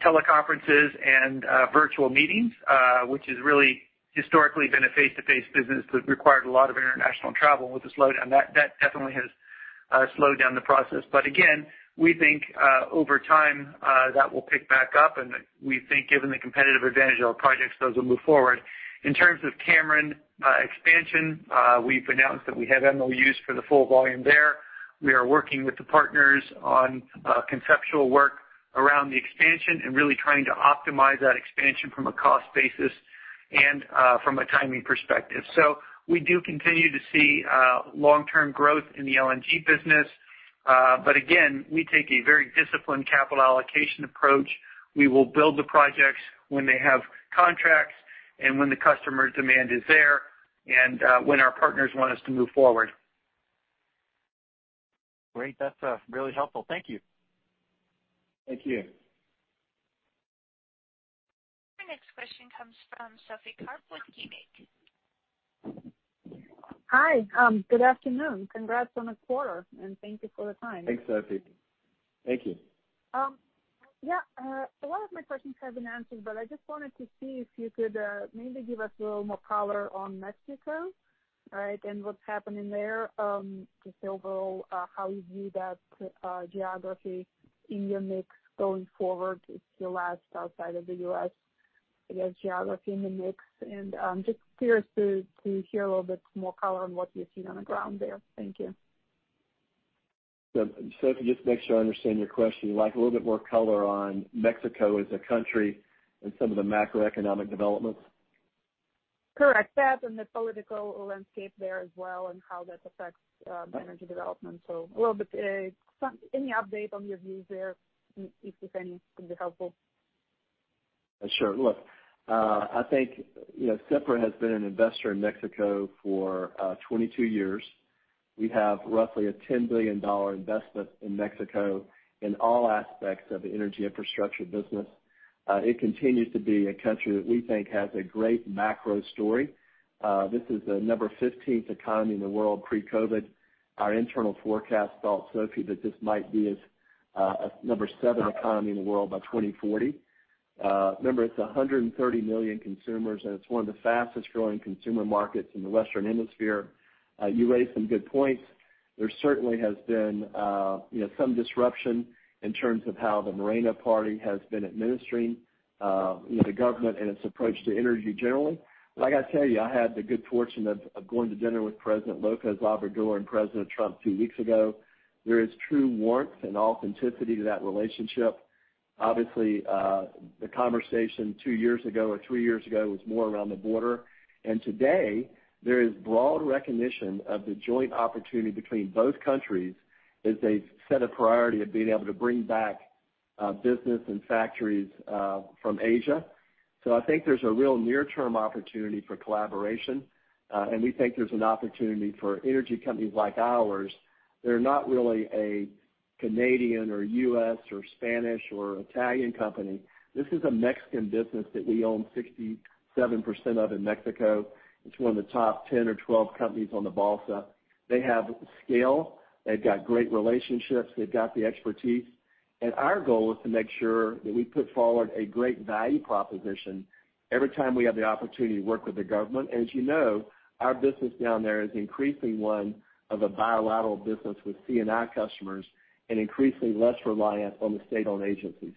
teleconferences and virtual meetings, which has really historically been a face-to-face business that required a lot of international travel with the slowdown. That definitely has slowed down the process. Again, we think over time, that will pick back up, and we think given the competitive advantage of our projects, those will move forward. In terms of Cameron expansion, we've announced that we have MOUs for the full volume there. We are working with the partners on conceptual work around the expansion and really trying to optimize that expansion from a cost basis and from a timing perspective. We do continue to see long-term growth in the LNG business. Again, we take a very disciplined capital allocation approach. We will build the projects when they have contracts and when the customer demand is there and when our partners want us to move forward. Great. That's really helpful. Thank you. Thank you. Our next question comes from Sophie Karp with KeyBanc. Hi. Good afternoon. Congrats on the quarter, and thank you for the time. Thanks, Sophie. Thank you. Yeah. A lot of my questions have been answered. I just wanted to see if you could maybe give us a little more color on Mexico, right? What's happening there. Just overall, how you view that geography in your mix going forward. It's your last outside of the U.S. geography in the mix. Just curious to hear a little bit more color on what you're seeing on the ground there. Thank you. Sophie, just to make sure I understand your question. You'd like a little bit more color on Mexico as a country and some of the macroeconomic developments? Correct. That and the political landscape there as well, and how that affects the energy development. Any update on your views there, if any, would be helpful. Sure. Look, I think Sempra has been an investor in Mexico for 22 years. We have roughly a $10 billion investment in Mexico in all aspects of the energy infrastructure business. It continues to be a country that we think has a great macro story. This is the number 15th economy in the world pre-COVID. Our internal forecast felt, Sophie, that this might be a number seven economy in the world by 2040. Remember, it's 130 million consumers, and it's one of the fastest-growing consumer markets in the Western Hemisphere. You raised some good points. There certainly has been some disruption in terms of how the Morena party has been administering the government and its approach to energy generally. Like I tell you, I had the good fortune of going to dinner with President López Obrador and President Trump two weeks ago. There is true warmth and authenticity to that relationship. Obviously, the conversation two years ago or three years ago was more around the border. Today, there is broad recognition of the joint opportunity between both countries as they set a priority of being able to bring back business and factories from Asia. I think there's a real near-term opportunity for collaboration, and we think there's an opportunity for energy companies like ours. They're not really a Canadian or U.S. or Spanish or Italian company. This is a Mexican business that we own 67% of in Mexico. It's one of the top 10 or 12 companies on the Bolsa. They have scale, they've got great relationships, they've got the expertise. Our goal is to make sure that we put forward a great value proposition every time we have the opportunity to work with the government. As you know, our business down there is increasingly one of a bilateral business with C&I customers and increasingly less reliant on the state-owned agencies.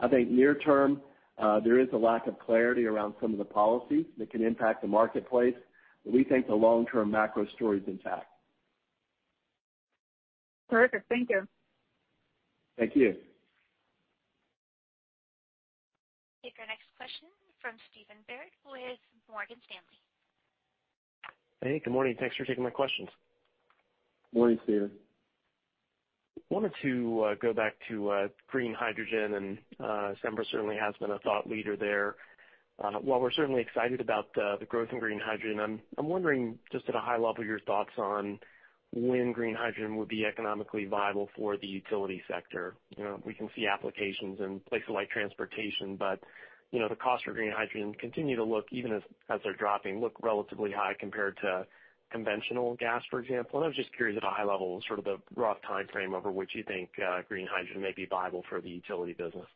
I think near-term, there is a lack of clarity around some of the policies that can impact the marketplace, but we think the long-term macro story is intact. Perfect. Thank you. Thank you. Take our next question from Stephen Byrd with Morgan Stanley. Hey, good morning. Thanks for taking my questions. Morning, Stephen. Wanted to go back to green hydrogen. Sempra certainly has been a thought leader there. While we're certainly excited about the growth in green hydrogen, I'm wondering, just at a high level, your thoughts on when green hydrogen would be economically viable for the utility sector. We can see applications in places like transportation. The cost for green hydrogen continue to look, even as they're dropping, look relatively high compared to conventional gas, for example. I was just curious at a high level, sort of a rough timeframe over which you think green hydrogen may be viable for the utility business.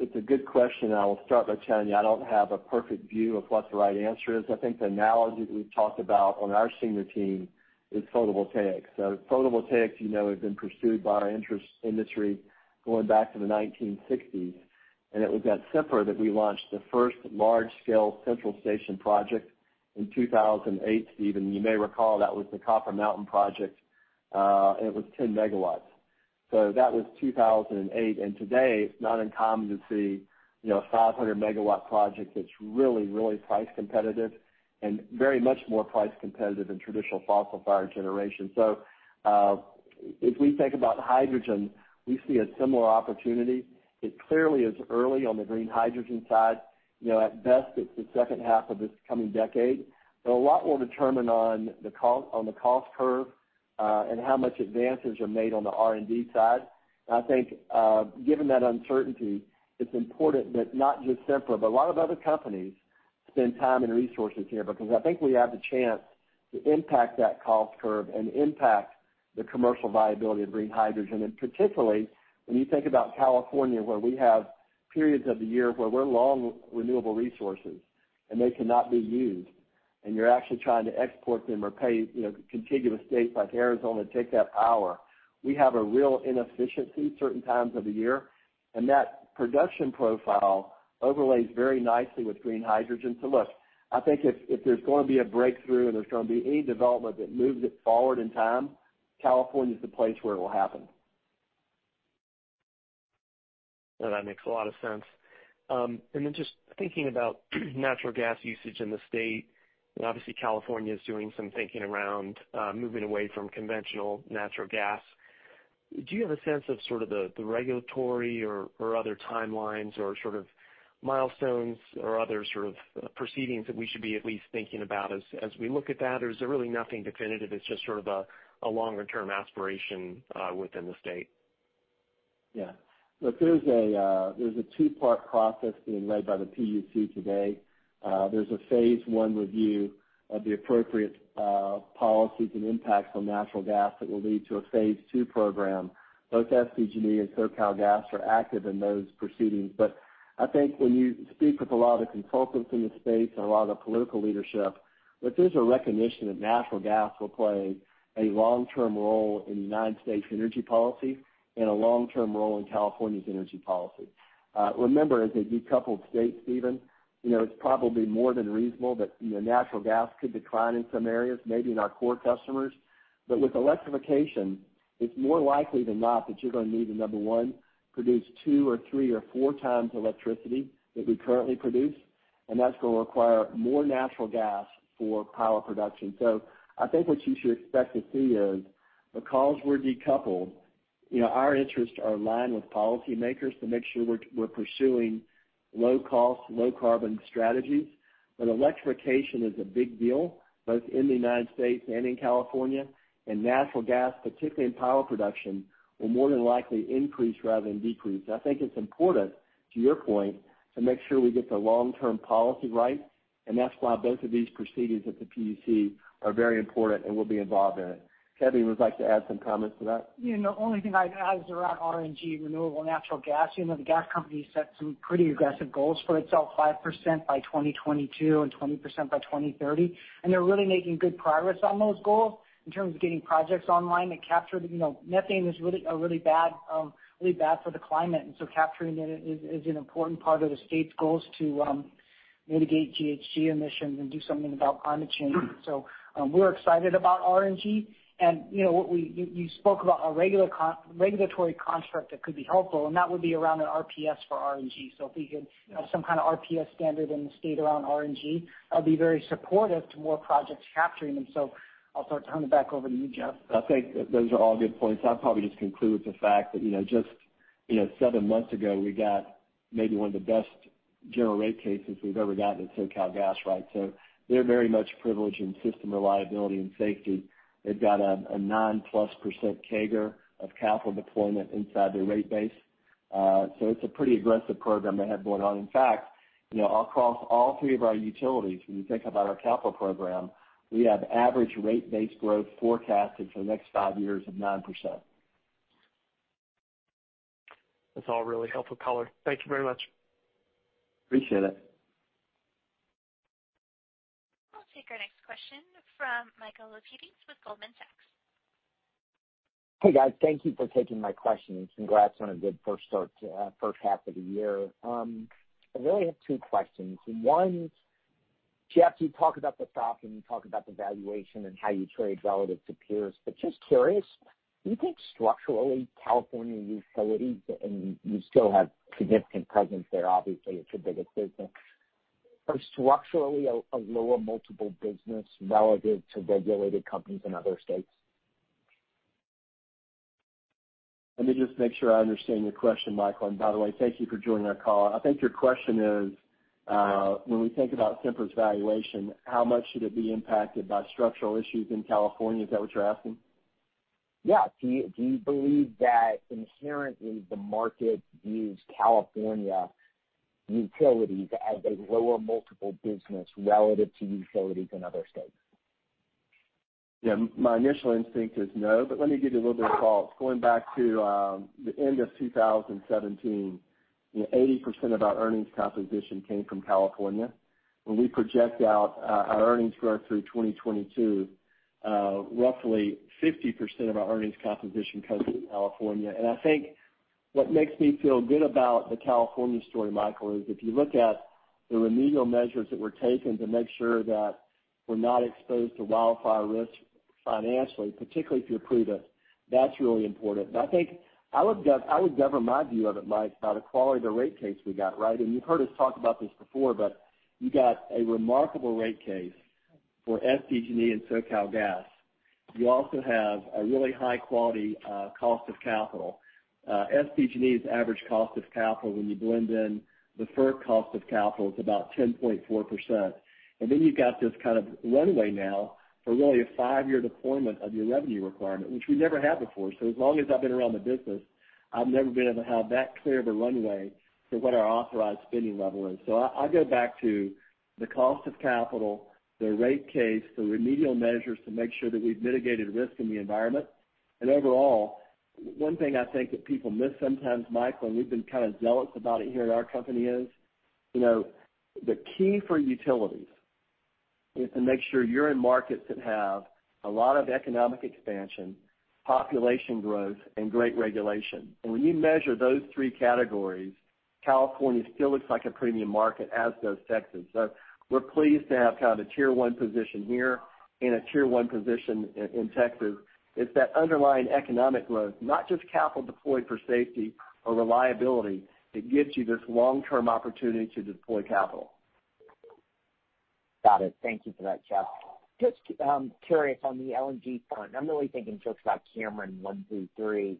It's a good question, and I will start by telling you I don't have a perfect view of what the right answer is. I think the analogy that we've talked about on our senior team is photovoltaic. Photovoltaic has been pursued by our industry going back to the 1960s, and it was at Sempra that we launched the first large-scale central station project in 2008, Stephen. You may recall that was the Copper Mountain project, and it was 10 megawatts. That was 2008, and today, it's not uncommon to see a 500-megawatt project that's really, really price competitive and very much more price competitive than traditional fossil-fired generation. If we think about hydrogen, we see a similar opportunity. It clearly is early on the green hydrogen side. At best, it's the second half of this coming decade. A lot will determine on the cost curve, and how much advances are made on the R&D side. I think, given that uncertainty, it's important that not just Sempra, but a lot of other companies spend time and resources here, because I think we have the chance to impact that cost curve and impact the commercial viability of green hydrogen. Particularly when you think about California, where we have periods of the year where we're long renewable resources and they cannot be used, and you're actually trying to export them or pay contiguous states like Arizona to take that power. We have a real inefficiency certain times of the year, and that production profile overlays very nicely with green hydrogen. Look, I think if there's going to be a breakthrough and there's going to be any development that moves it forward in time, California is the place where it will happen. No, that makes a lot of sense. Just thinking about natural gas usage in the state, and obviously, California is doing some thinking around moving away from conventional natural gas. Do you have a sense of sort of the regulatory or other timelines or sort of milestones or other sort of proceedings that we should be at least thinking about as we look at that? Or is there really nothing definitive, it's just sort of a longer-term aspiration within the state? Yeah. Look, there's a two-part process being led by the PUC today. There's a phase I review of the appropriate policies and impacts on natural gas that will lead to a phase II program. Both SDG&E and SoCalGas are active in those proceedings. I think when you speak with a lot of the consultants in the state and a lot of political leadership, there's a recognition that natural gas will play a long-term role in United States energy policy and a long-term role in California's energy policy. Remember, as a decoupled state, Stephen, it's probably more than reasonable that natural gas could decline in some areas, maybe not core customers. With electrification, it's more likely than not that you're going to need to, number one, produce two or three or four times electricity that we currently produce, and that's going to require more natural gas for power production. I think what you should expect to see is because we're decoupled. Our interests are aligned with policymakers to make sure we're pursuing low-cost, low-carbon strategies. Electrification is a big deal, both in the United States and in California, and natural gas, particularly in power production, will more than likely increase rather than decrease. I think it's important, to your point, to make sure we get the long-term policy right, and that's why both of these proceedings at the PUC are very important, and we'll be involved in it. Kevin would like to add some comments to that. The only thing I'd add is around RNG, renewable natural gas. The gas company set some pretty aggressive goals for itself, 5% by 2022 and 20% by 2030. They're really making good progress on those goals in terms of getting projects online. Methane is really bad for the climate, and so capturing it is an important part of the state's goals to mitigate GHG emissions and do something about climate change. We're excited about RNG. You spoke about a regulatory construct that could be helpful, and that would be around an RPS for RNG. If we could have some kind of RPS standard in the state around RNG, I'll be very supportive to more projects capturing them. I'll start turning it back over to you, Jeff. I think those are all good points. I'll probably just conclude with the fact that just seven months ago, we got maybe one of the best general rate cases we've ever gotten at SoCalGas. We're very much privileged in system reliability and safety. They've got a nine-plus % CAGR of capital deployment inside their rate base. It's a pretty aggressive program they have going on. In fact, across all three of our utilities, when you think about our capital program, we have average rate base growth forecasted for the next five years of 9%. That's all really helpful color. Thank you very much. Appreciate it. I'll take our next question from Michael Lapides with Goldman Sachs. Hey, guys. Thank you for taking my question, and congrats on a good first half of the year. I really have two questions. One, Jeff, you talk about the stock, and you talk about the valuation and how you trade relative to peers, but just curious, do you think structurally California utilities, and you still have significant presence there, obviously it's your biggest business, are structurally a lower multiple business relative to regulated companies in other states? Let me just make sure I understand your question, Michael, and by the way, thank you for joining our call. I think your question is, when we think about Sempra's valuation, how much should it be impacted by structural issues in California? Is that what you're asking? Yeah. Do you believe that inherently the market views California utilities as a lower multiple business relative to utilities in other states? My initial instinct is no, but let me give you a little bit of thoughts. Going back to the end of 2017, 80% of our earnings composition came from California. When we project out our earnings growth through 2022, roughly 50% of our earnings composition comes from California. I think what makes me feel good about the California story, Michael, is if you look at the remedial measures that were taken to make sure that we're not exposed to wildfire risk financially, particularly if you're prudent that's really important. I think I would govern my view of it by the quality of the rate case we got. You've heard us talk about this before, but you got a remarkable rate case for SDG&E and SoCalGas. You also have a really high-quality cost of capital. SDG&E's average cost of capital, when you blend in the FERC cost of capital, is about 10.4%. You've got this kind of runway now for really a five-year deployment of your revenue requirement, which we never had before. As long as I've been around the business, I've never been able to have that clear of a runway for what our authorized spending level is. Overall, one thing I think that people miss sometimes, Michael, and we've been kind of zealous about it here at our company is, the key for utilities is to make sure you're in markets that have a lot of economic expansion, population growth, and great regulation. When you measure those three categories, California still looks like a premium market, as does Texas. We're pleased to have kind of a tier one position here and a tier one position in Texas. It's that underlying economic growth, not just capital deployed for safety or reliability, that gives you this long-term opportunity to deploy capital. Got it. Thank you for that, Jeff. Just curious on the LNG front, I'm really thinking just about Cameron one through three.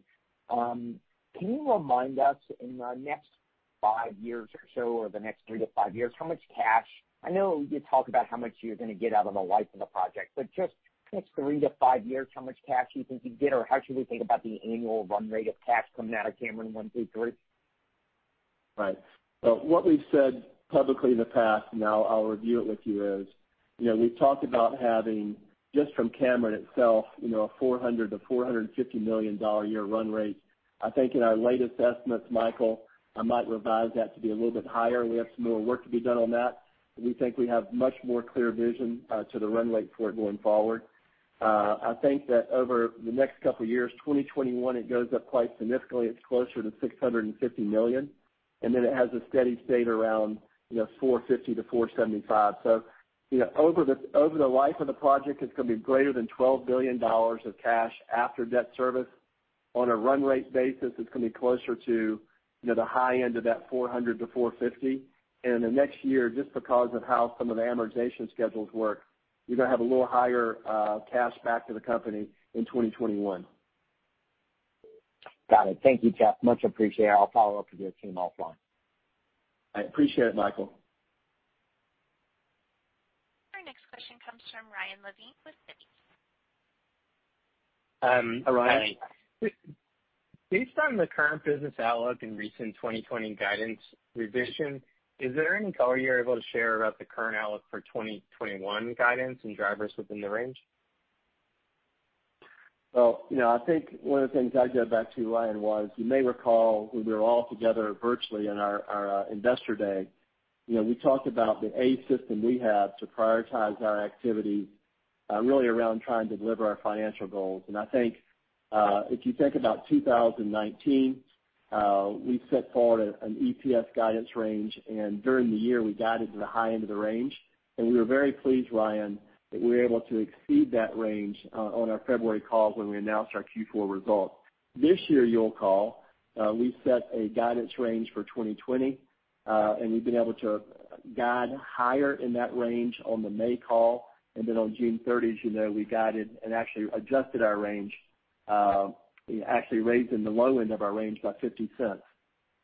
Can you remind us in the next five years or so, or the next three to five years, how much cash, I know you talk about how much you're going to get out of the life of the project, but just next three to five years, how much cash do you think you'd get, or how should we think about the annual run rate of cash coming out of Cameron one through three? Right. What we've said publicly in the past, and I'll review it with you, is we've talked about having, just from Cameron itself, a $400 million-$450 million a year run rate. I think in our latest estimates, Michael, I might revise that to be a little bit higher. We have some more work to be done on that. We think we have much more clear vision to the run rate for it going forward. I think that over the next couple of years, 2021, it goes up quite significantly. It's closer to $650 million, and then it has a steady state around $450 million-$475 million. Over the life of the project, it's going to be greater than $12 billion of cash after debt service. On a run rate basis, it's going to be closer to the high end of that $400 million-$450 million. In the next year, just because of how some of the amortization schedules work. You're going to have a little higher cash back to the company in 2021. Got it. Thank you, Jeff. Much appreciated. I'll follow up with your team offline. I appreciate it, Michael. Our next question comes from Ryan Levine with Citi. Hi, Ryan. Based on the current business outlook and recent 2020 guidance revision, is there any color you're able to share about the current outlook for 2021 guidance and drivers within the range? Well, I think one of the things I go back to, Ryan, was you may recall when we were all together virtually in our Investor Day, we talked about the A system we have to prioritize our activity really around trying to deliver our financial goals. I think, if you think about 2019, we set forward an EPS guidance range, and during the year, we guided to the high end of the range, and we were very pleased, Ryan, that we were able to exceed that range on our February call when we announced our Q4 results. This year, you'll recall, we set a guidance range for 2020, and we've been able to guide higher in that range on the May call. On June 30th, as you know, we guided and actually adjusted our range. We actually raised in the low end of our range by $0.50.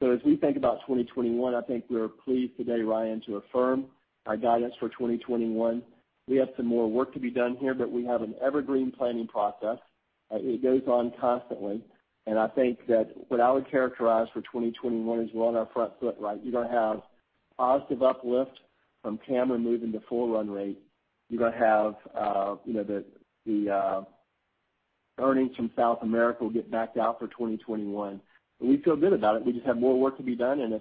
As we think about 2021, I think we are pleased today, Ryan, to affirm our guidance for 2021. We have some more work to be done here, but we have an evergreen planning process. It goes on constantly, and I think that what I would characterize for 2021 is we're on our front foot right. You're going to have positive uplift from Cameron moving to full run rate. You're going to have the earnings from South America will get backed out for 2021. We feel good about it. We just have more work to be done, and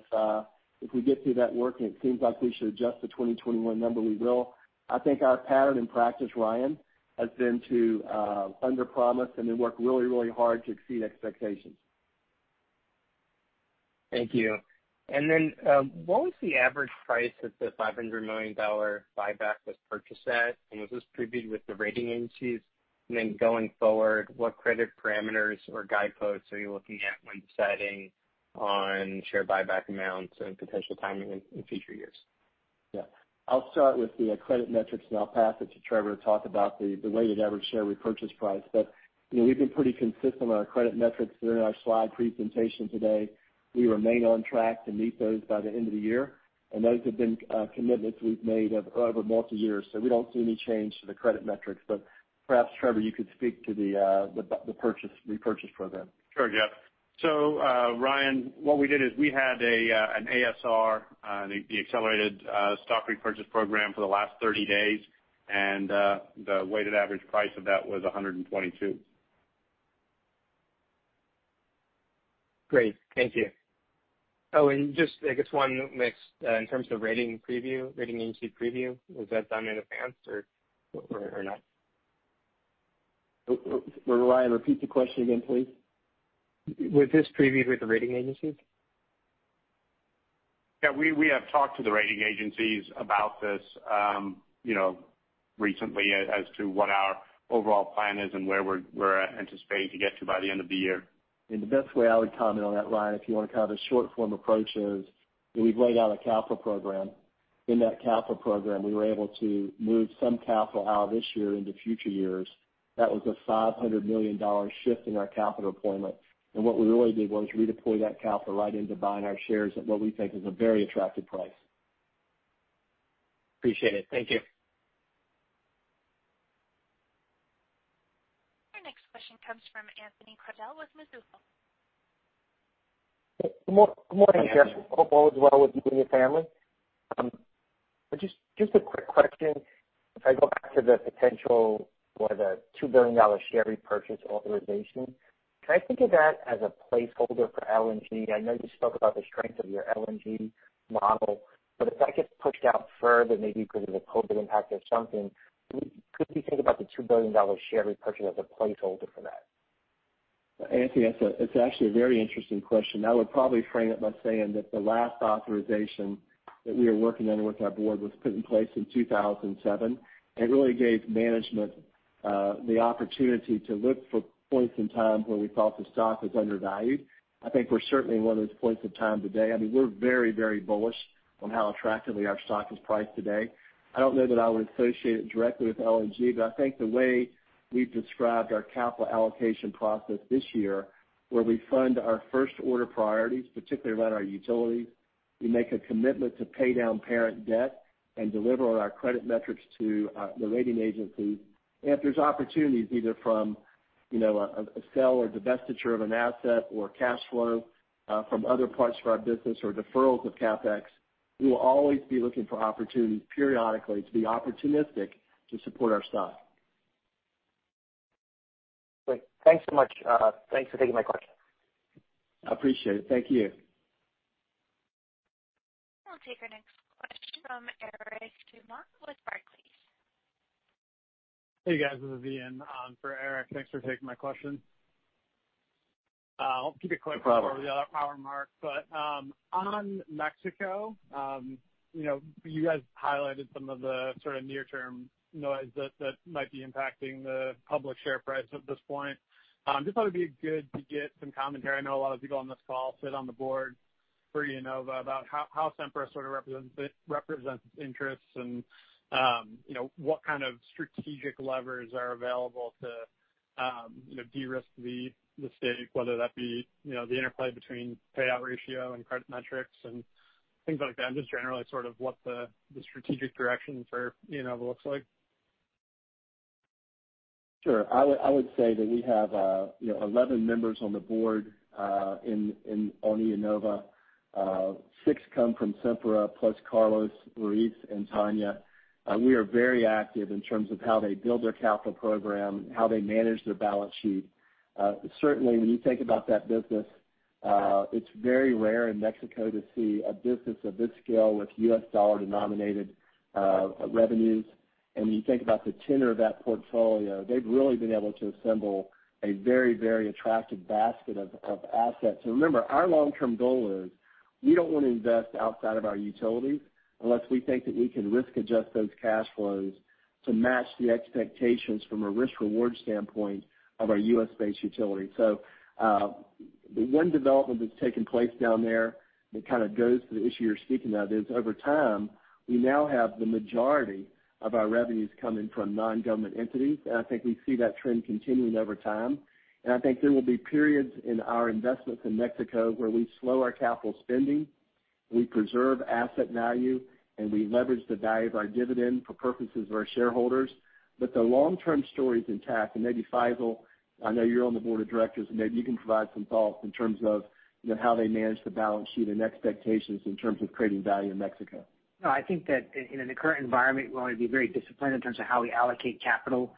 if we get through that work and it seems like we should adjust the 2021 number, we will. I think our pattern and practice, Ryan, has been to underpromise and then work really hard to exceed expectations. Thank you. What was the average price that the $500 million buyback was purchased at? Was this previewed with the rating agencies? Going forward, what credit parameters or guideposts are you looking at when deciding on share buyback amounts and potential timing in future years? I'll start with the credit metrics, and I'll pass it to Trevor to talk about the weighted average share repurchase price. We've been pretty consistent on our credit metrics that are in our slide presentation today. We remain on track to meet those by the end of the year, and those have been commitments we've made over multi-years, so we don't see any change to the credit metrics. Perhaps, Trevor, you could speak to the repurchase program. Sure, Jeff. Ryan, what we did is we had an ASR, the accelerated stock repurchase program, for the last 30 days, and the weighted average price of that was $122. Great. Thank you. Just I guess one mixed, in terms of rating agency preview, was that done in advance or not? Ryan, repeat the question again, please. Was this previewed with the rating agencies? Yeah, we have talked to the rating agencies about this recently as to what our overall plan is and where we're anticipating to get to by the end of the year. The best way I would comment on that, Ryan, if you want a short form approach, is we've laid out a capital program. In that capital program, we were able to move some capital out of this year into future years. That was a $500 million shift in our capital deployment. What we really did was redeploy that capital right into buying our shares at what we think is a very attractive price. Appreciate it. Thank you. Our next question comes from Anthony Crowdell with Mizuho. Good morning, Jeff. Hi, Anthony. Hope all is well with you and your family. Just a quick question. If I go back to the potential for the $2 billion share repurchase authorization, can I think of that as a placeholder for LNG? I know you spoke about the strength of your LNG model, but if that gets pushed out further, maybe because of the COVID impact or something, could we think about the $2 billion share repurchase as a placeholder for that? Anthony, that's actually a very interesting question. I would probably frame it by saying that the last authorization that we were working on with our board was put in place in 2007. It really gave management the opportunity to look for points in time where we thought the stock was undervalued. I think we're certainly in one of those points of time today. I mean, we're very bullish on how attractively our stock is priced today. I don't know that I would associate it directly with LNG. I think the way we've described our capital allocation process this year, where we fund our first-order priorities, particularly around our utilities. We make a commitment to pay down parent debt and deliver on our credit metrics to the rating agencies. If there's opportunities, either from a sell or divestiture of an asset or cash flow from other parts of our business or deferrals of CapEx, we will always be looking for opportunities periodically to be opportunistic to support our stock. Great. Thanks so much. Thanks for taking my question. I appreciate it. Thank you. I'll take our next question from Eric Trapp with Barclays. Hey, guys. This is Ian for Eric. Thanks for taking my question. I'll keep it quick before we hit our hour mark. On Mexico, you guys highlighted some of the sort of near-term noise that might be impacting the public share price at this point. Just thought it'd be good to get some commentary. I know a lot of people on this call sit on the board for IEnova about how Sempra sort of represents interests and what kind of strategic levers are available to de-risk the stake, whether that be the interplay between payout ratio and credit metrics and things like that, and just generally sort of what the strategic direction for IEnova looks like. Sure. I would say that we have 11 members on the board on IEnova. Six come from Sempra, plus Carlos, Maurice, and Tania. We are very active in terms of how they build their capital program, how they manage their balance sheet. Certainly, when you think about that business, it's very rare in Mexico to see a business of this scale with U.S. dollar-denominated revenues. When you think about the tenor of that portfolio, they've really been able to assemble a very attractive basket of assets. Remember, our long-term goal is we don't want to invest outside of our utilities unless we think that we can risk adjust those cash flows to match the expectations from a risk-reward standpoint of our U.S.-based utility. The one development that's taken place down there that kind of goes to the issue you're speaking of is over time, we now have the majority of our revenues coming from non-government entities, and I think we see that trend continuing over time. I think there will be periods in our investments in Mexico where we slow our capital spending, we preserve asset value, and we leverage the value of our dividend for purposes of our shareholders. The long-term story's intact, and maybe, Faisel, I know you're on the board of directors, and maybe you can provide some thoughts in terms of how they manage the balance sheet and expectations in terms of creating value in Mexico. I think that in the current environment, we want to be very disciplined in terms of how we allocate capital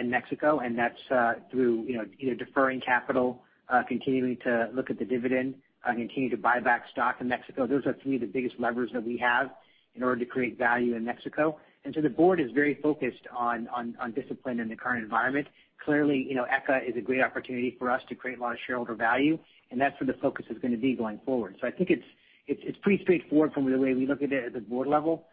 in Mexico, and that's through either deferring capital, continuing to look at the dividend, and continue to buy back stock in Mexico. Those are three of the biggest levers that we have in order to create value in Mexico. The board is very focused on discipline in the current environment. Clearly, ECA is a great opportunity for us to create a lot of shareholder value, and that's where the focus is going to be going forward. I think it's pretty straightforward from the way we look at it at the board level.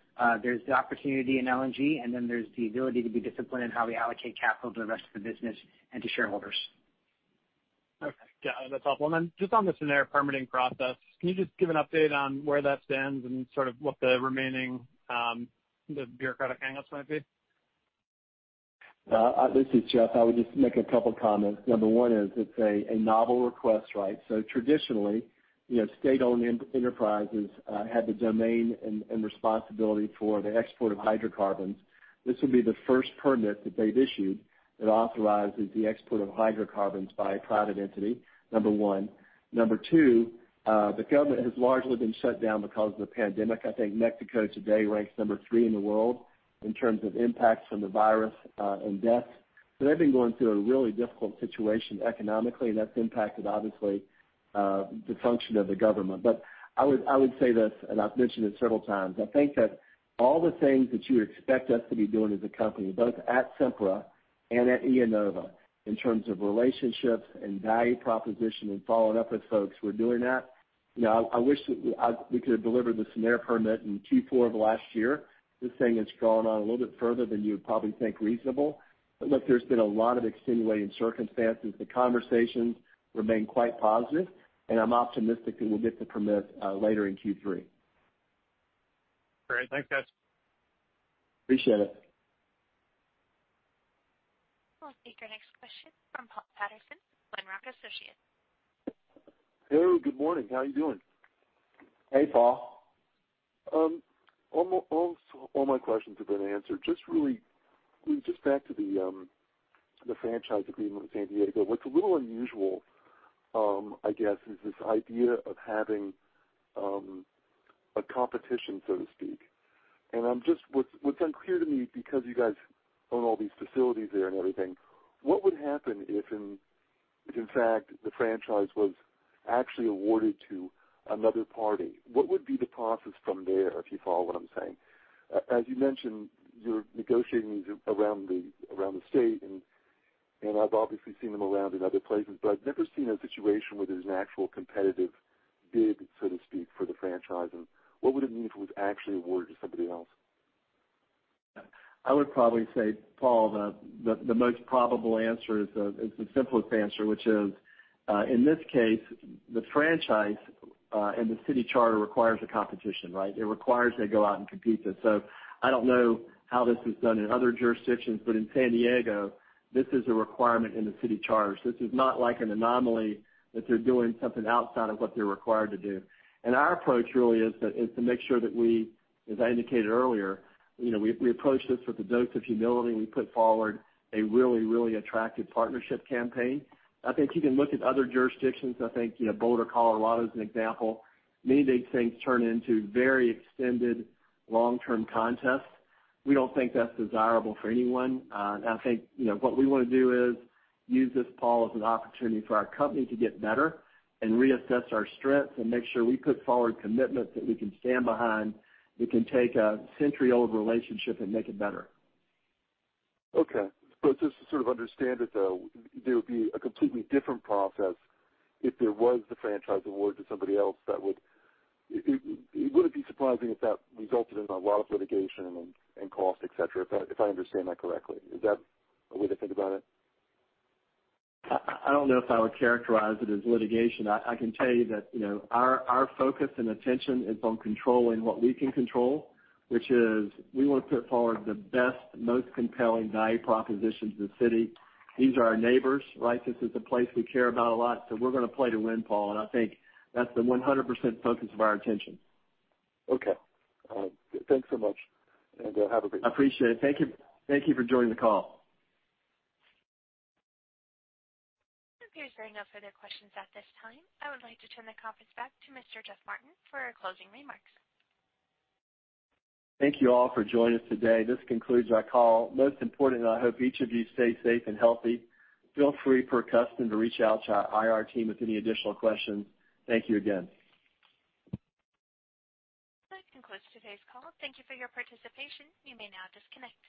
There's the opportunity in LNG, and then there's the ability to be disciplined in how we allocate capital to the rest of the business and to shareholders. Okay. Yeah, that's helpful. Then just on the SENER permitting process, can you just give an update on where that stands and sort of what the remaining bureaucratic hang-ups might be? This is Jeff. I would just make a couple comments. Number one is it's a novel request, right? Traditionally, state-owned enterprises have the domain and responsibility for the export of hydrocarbons. This would be the first permit that they've issued that authorizes the export of hydrocarbons by a private entity, number one. Number two, the government has largely been shut down because of the pandemic. I think Mexico today ranks number three in the world in terms of impacts from the virus and deaths. They've been going through a really difficult situation economically, and that's impacted, obviously, the function of the government. I would say this, and I've mentioned it several times. I think that all the things that you expect us to be doing as a company, both at Sempra and at IEnova, in terms of relationships and value proposition and following up with folks, we're doing that. I wish we could have delivered the SENER permit in Q4 of last year. This thing has gone on a little bit further than you would probably think reasonable. Look, there's been a lot of extenuating circumstances. The conversations remain quite positive, and I'm optimistic that we'll get the permit later in Q3. Great. Thanks, guys. Appreciate it. We'll take our next question from Paul Patterson, Glenrock Associates. Hello, good morning. How are you doing? Hey, Paul. Almost all my questions have been answered. Just back to the franchise agreement with San Diego. What's a little unusual, I guess, is this idea of having a competition, so to speak. What's unclear to me, because you guys own all these facilities there and everything, what would happen if in fact the franchise was actually awarded to another party? What would be the process from there, if you follow what I'm saying? As you mentioned, you're negotiating these around the state, and I've obviously seen them around in other places, but I've never seen a situation where there's an actual competitive bid, so to speak, for the franchise. What would it mean if it was actually awarded to somebody else? I would probably say, Paul, the most probable answer is the simplest answer, which is, in this case, the franchise and the city charter requires a competition, right? It requires they go out and compete. I don't know how this is done in other jurisdictions, but in San Diego, this is a requirement in the city charter. This is not like an anomaly that they're doing something outside of what they're required to do. Our approach really is to make sure that we, as I indicated earlier, approach this with a dose of humility. We put forward a really attractive partnership campaign. I think you can look at other jurisdictions. I think Boulder, Colorado, is an example. Many of these things turn into very extended long-term contests. We don't think that's desirable for anyone. I think what we want to do is use this, Paul, as an opportunity for our company to get better and reassess our strengths and make sure we put forward commitments that we can stand behind. We can take a century-old relationship and make it better. Okay. Just to sort of understand it, though, there would be a completely different process if there was the franchise award to somebody else it wouldn't be surprising if that resulted in a lot of litigation and cost, et cetera, if I understand that correctly. Is that a way to think about it? I don't know if I would characterize it as litigation. I can tell you that our focus and attention is on controlling what we can control, which is we want to put forward the best, most compelling value proposition to the city. These are our neighbors. This is a place we care about a lot, so we're going to play to win, Paul, and I think that's the 100% focus of our attention. Okay. Thanks so much, and have a great day. Appreciate it. Thank you for joining the call. It appears there are no further questions at this time. I would like to turn the conference back to Mr. Jeff Martin for our closing remarks. Thank you all for joining us today. This concludes our call. Most importantly, I hope each of you stay safe and healthy. Feel free, per custom, to reach out to our IR team with any additional questions. Thank you again. This concludes today's call. Thank you for your participation. You may now disconnect.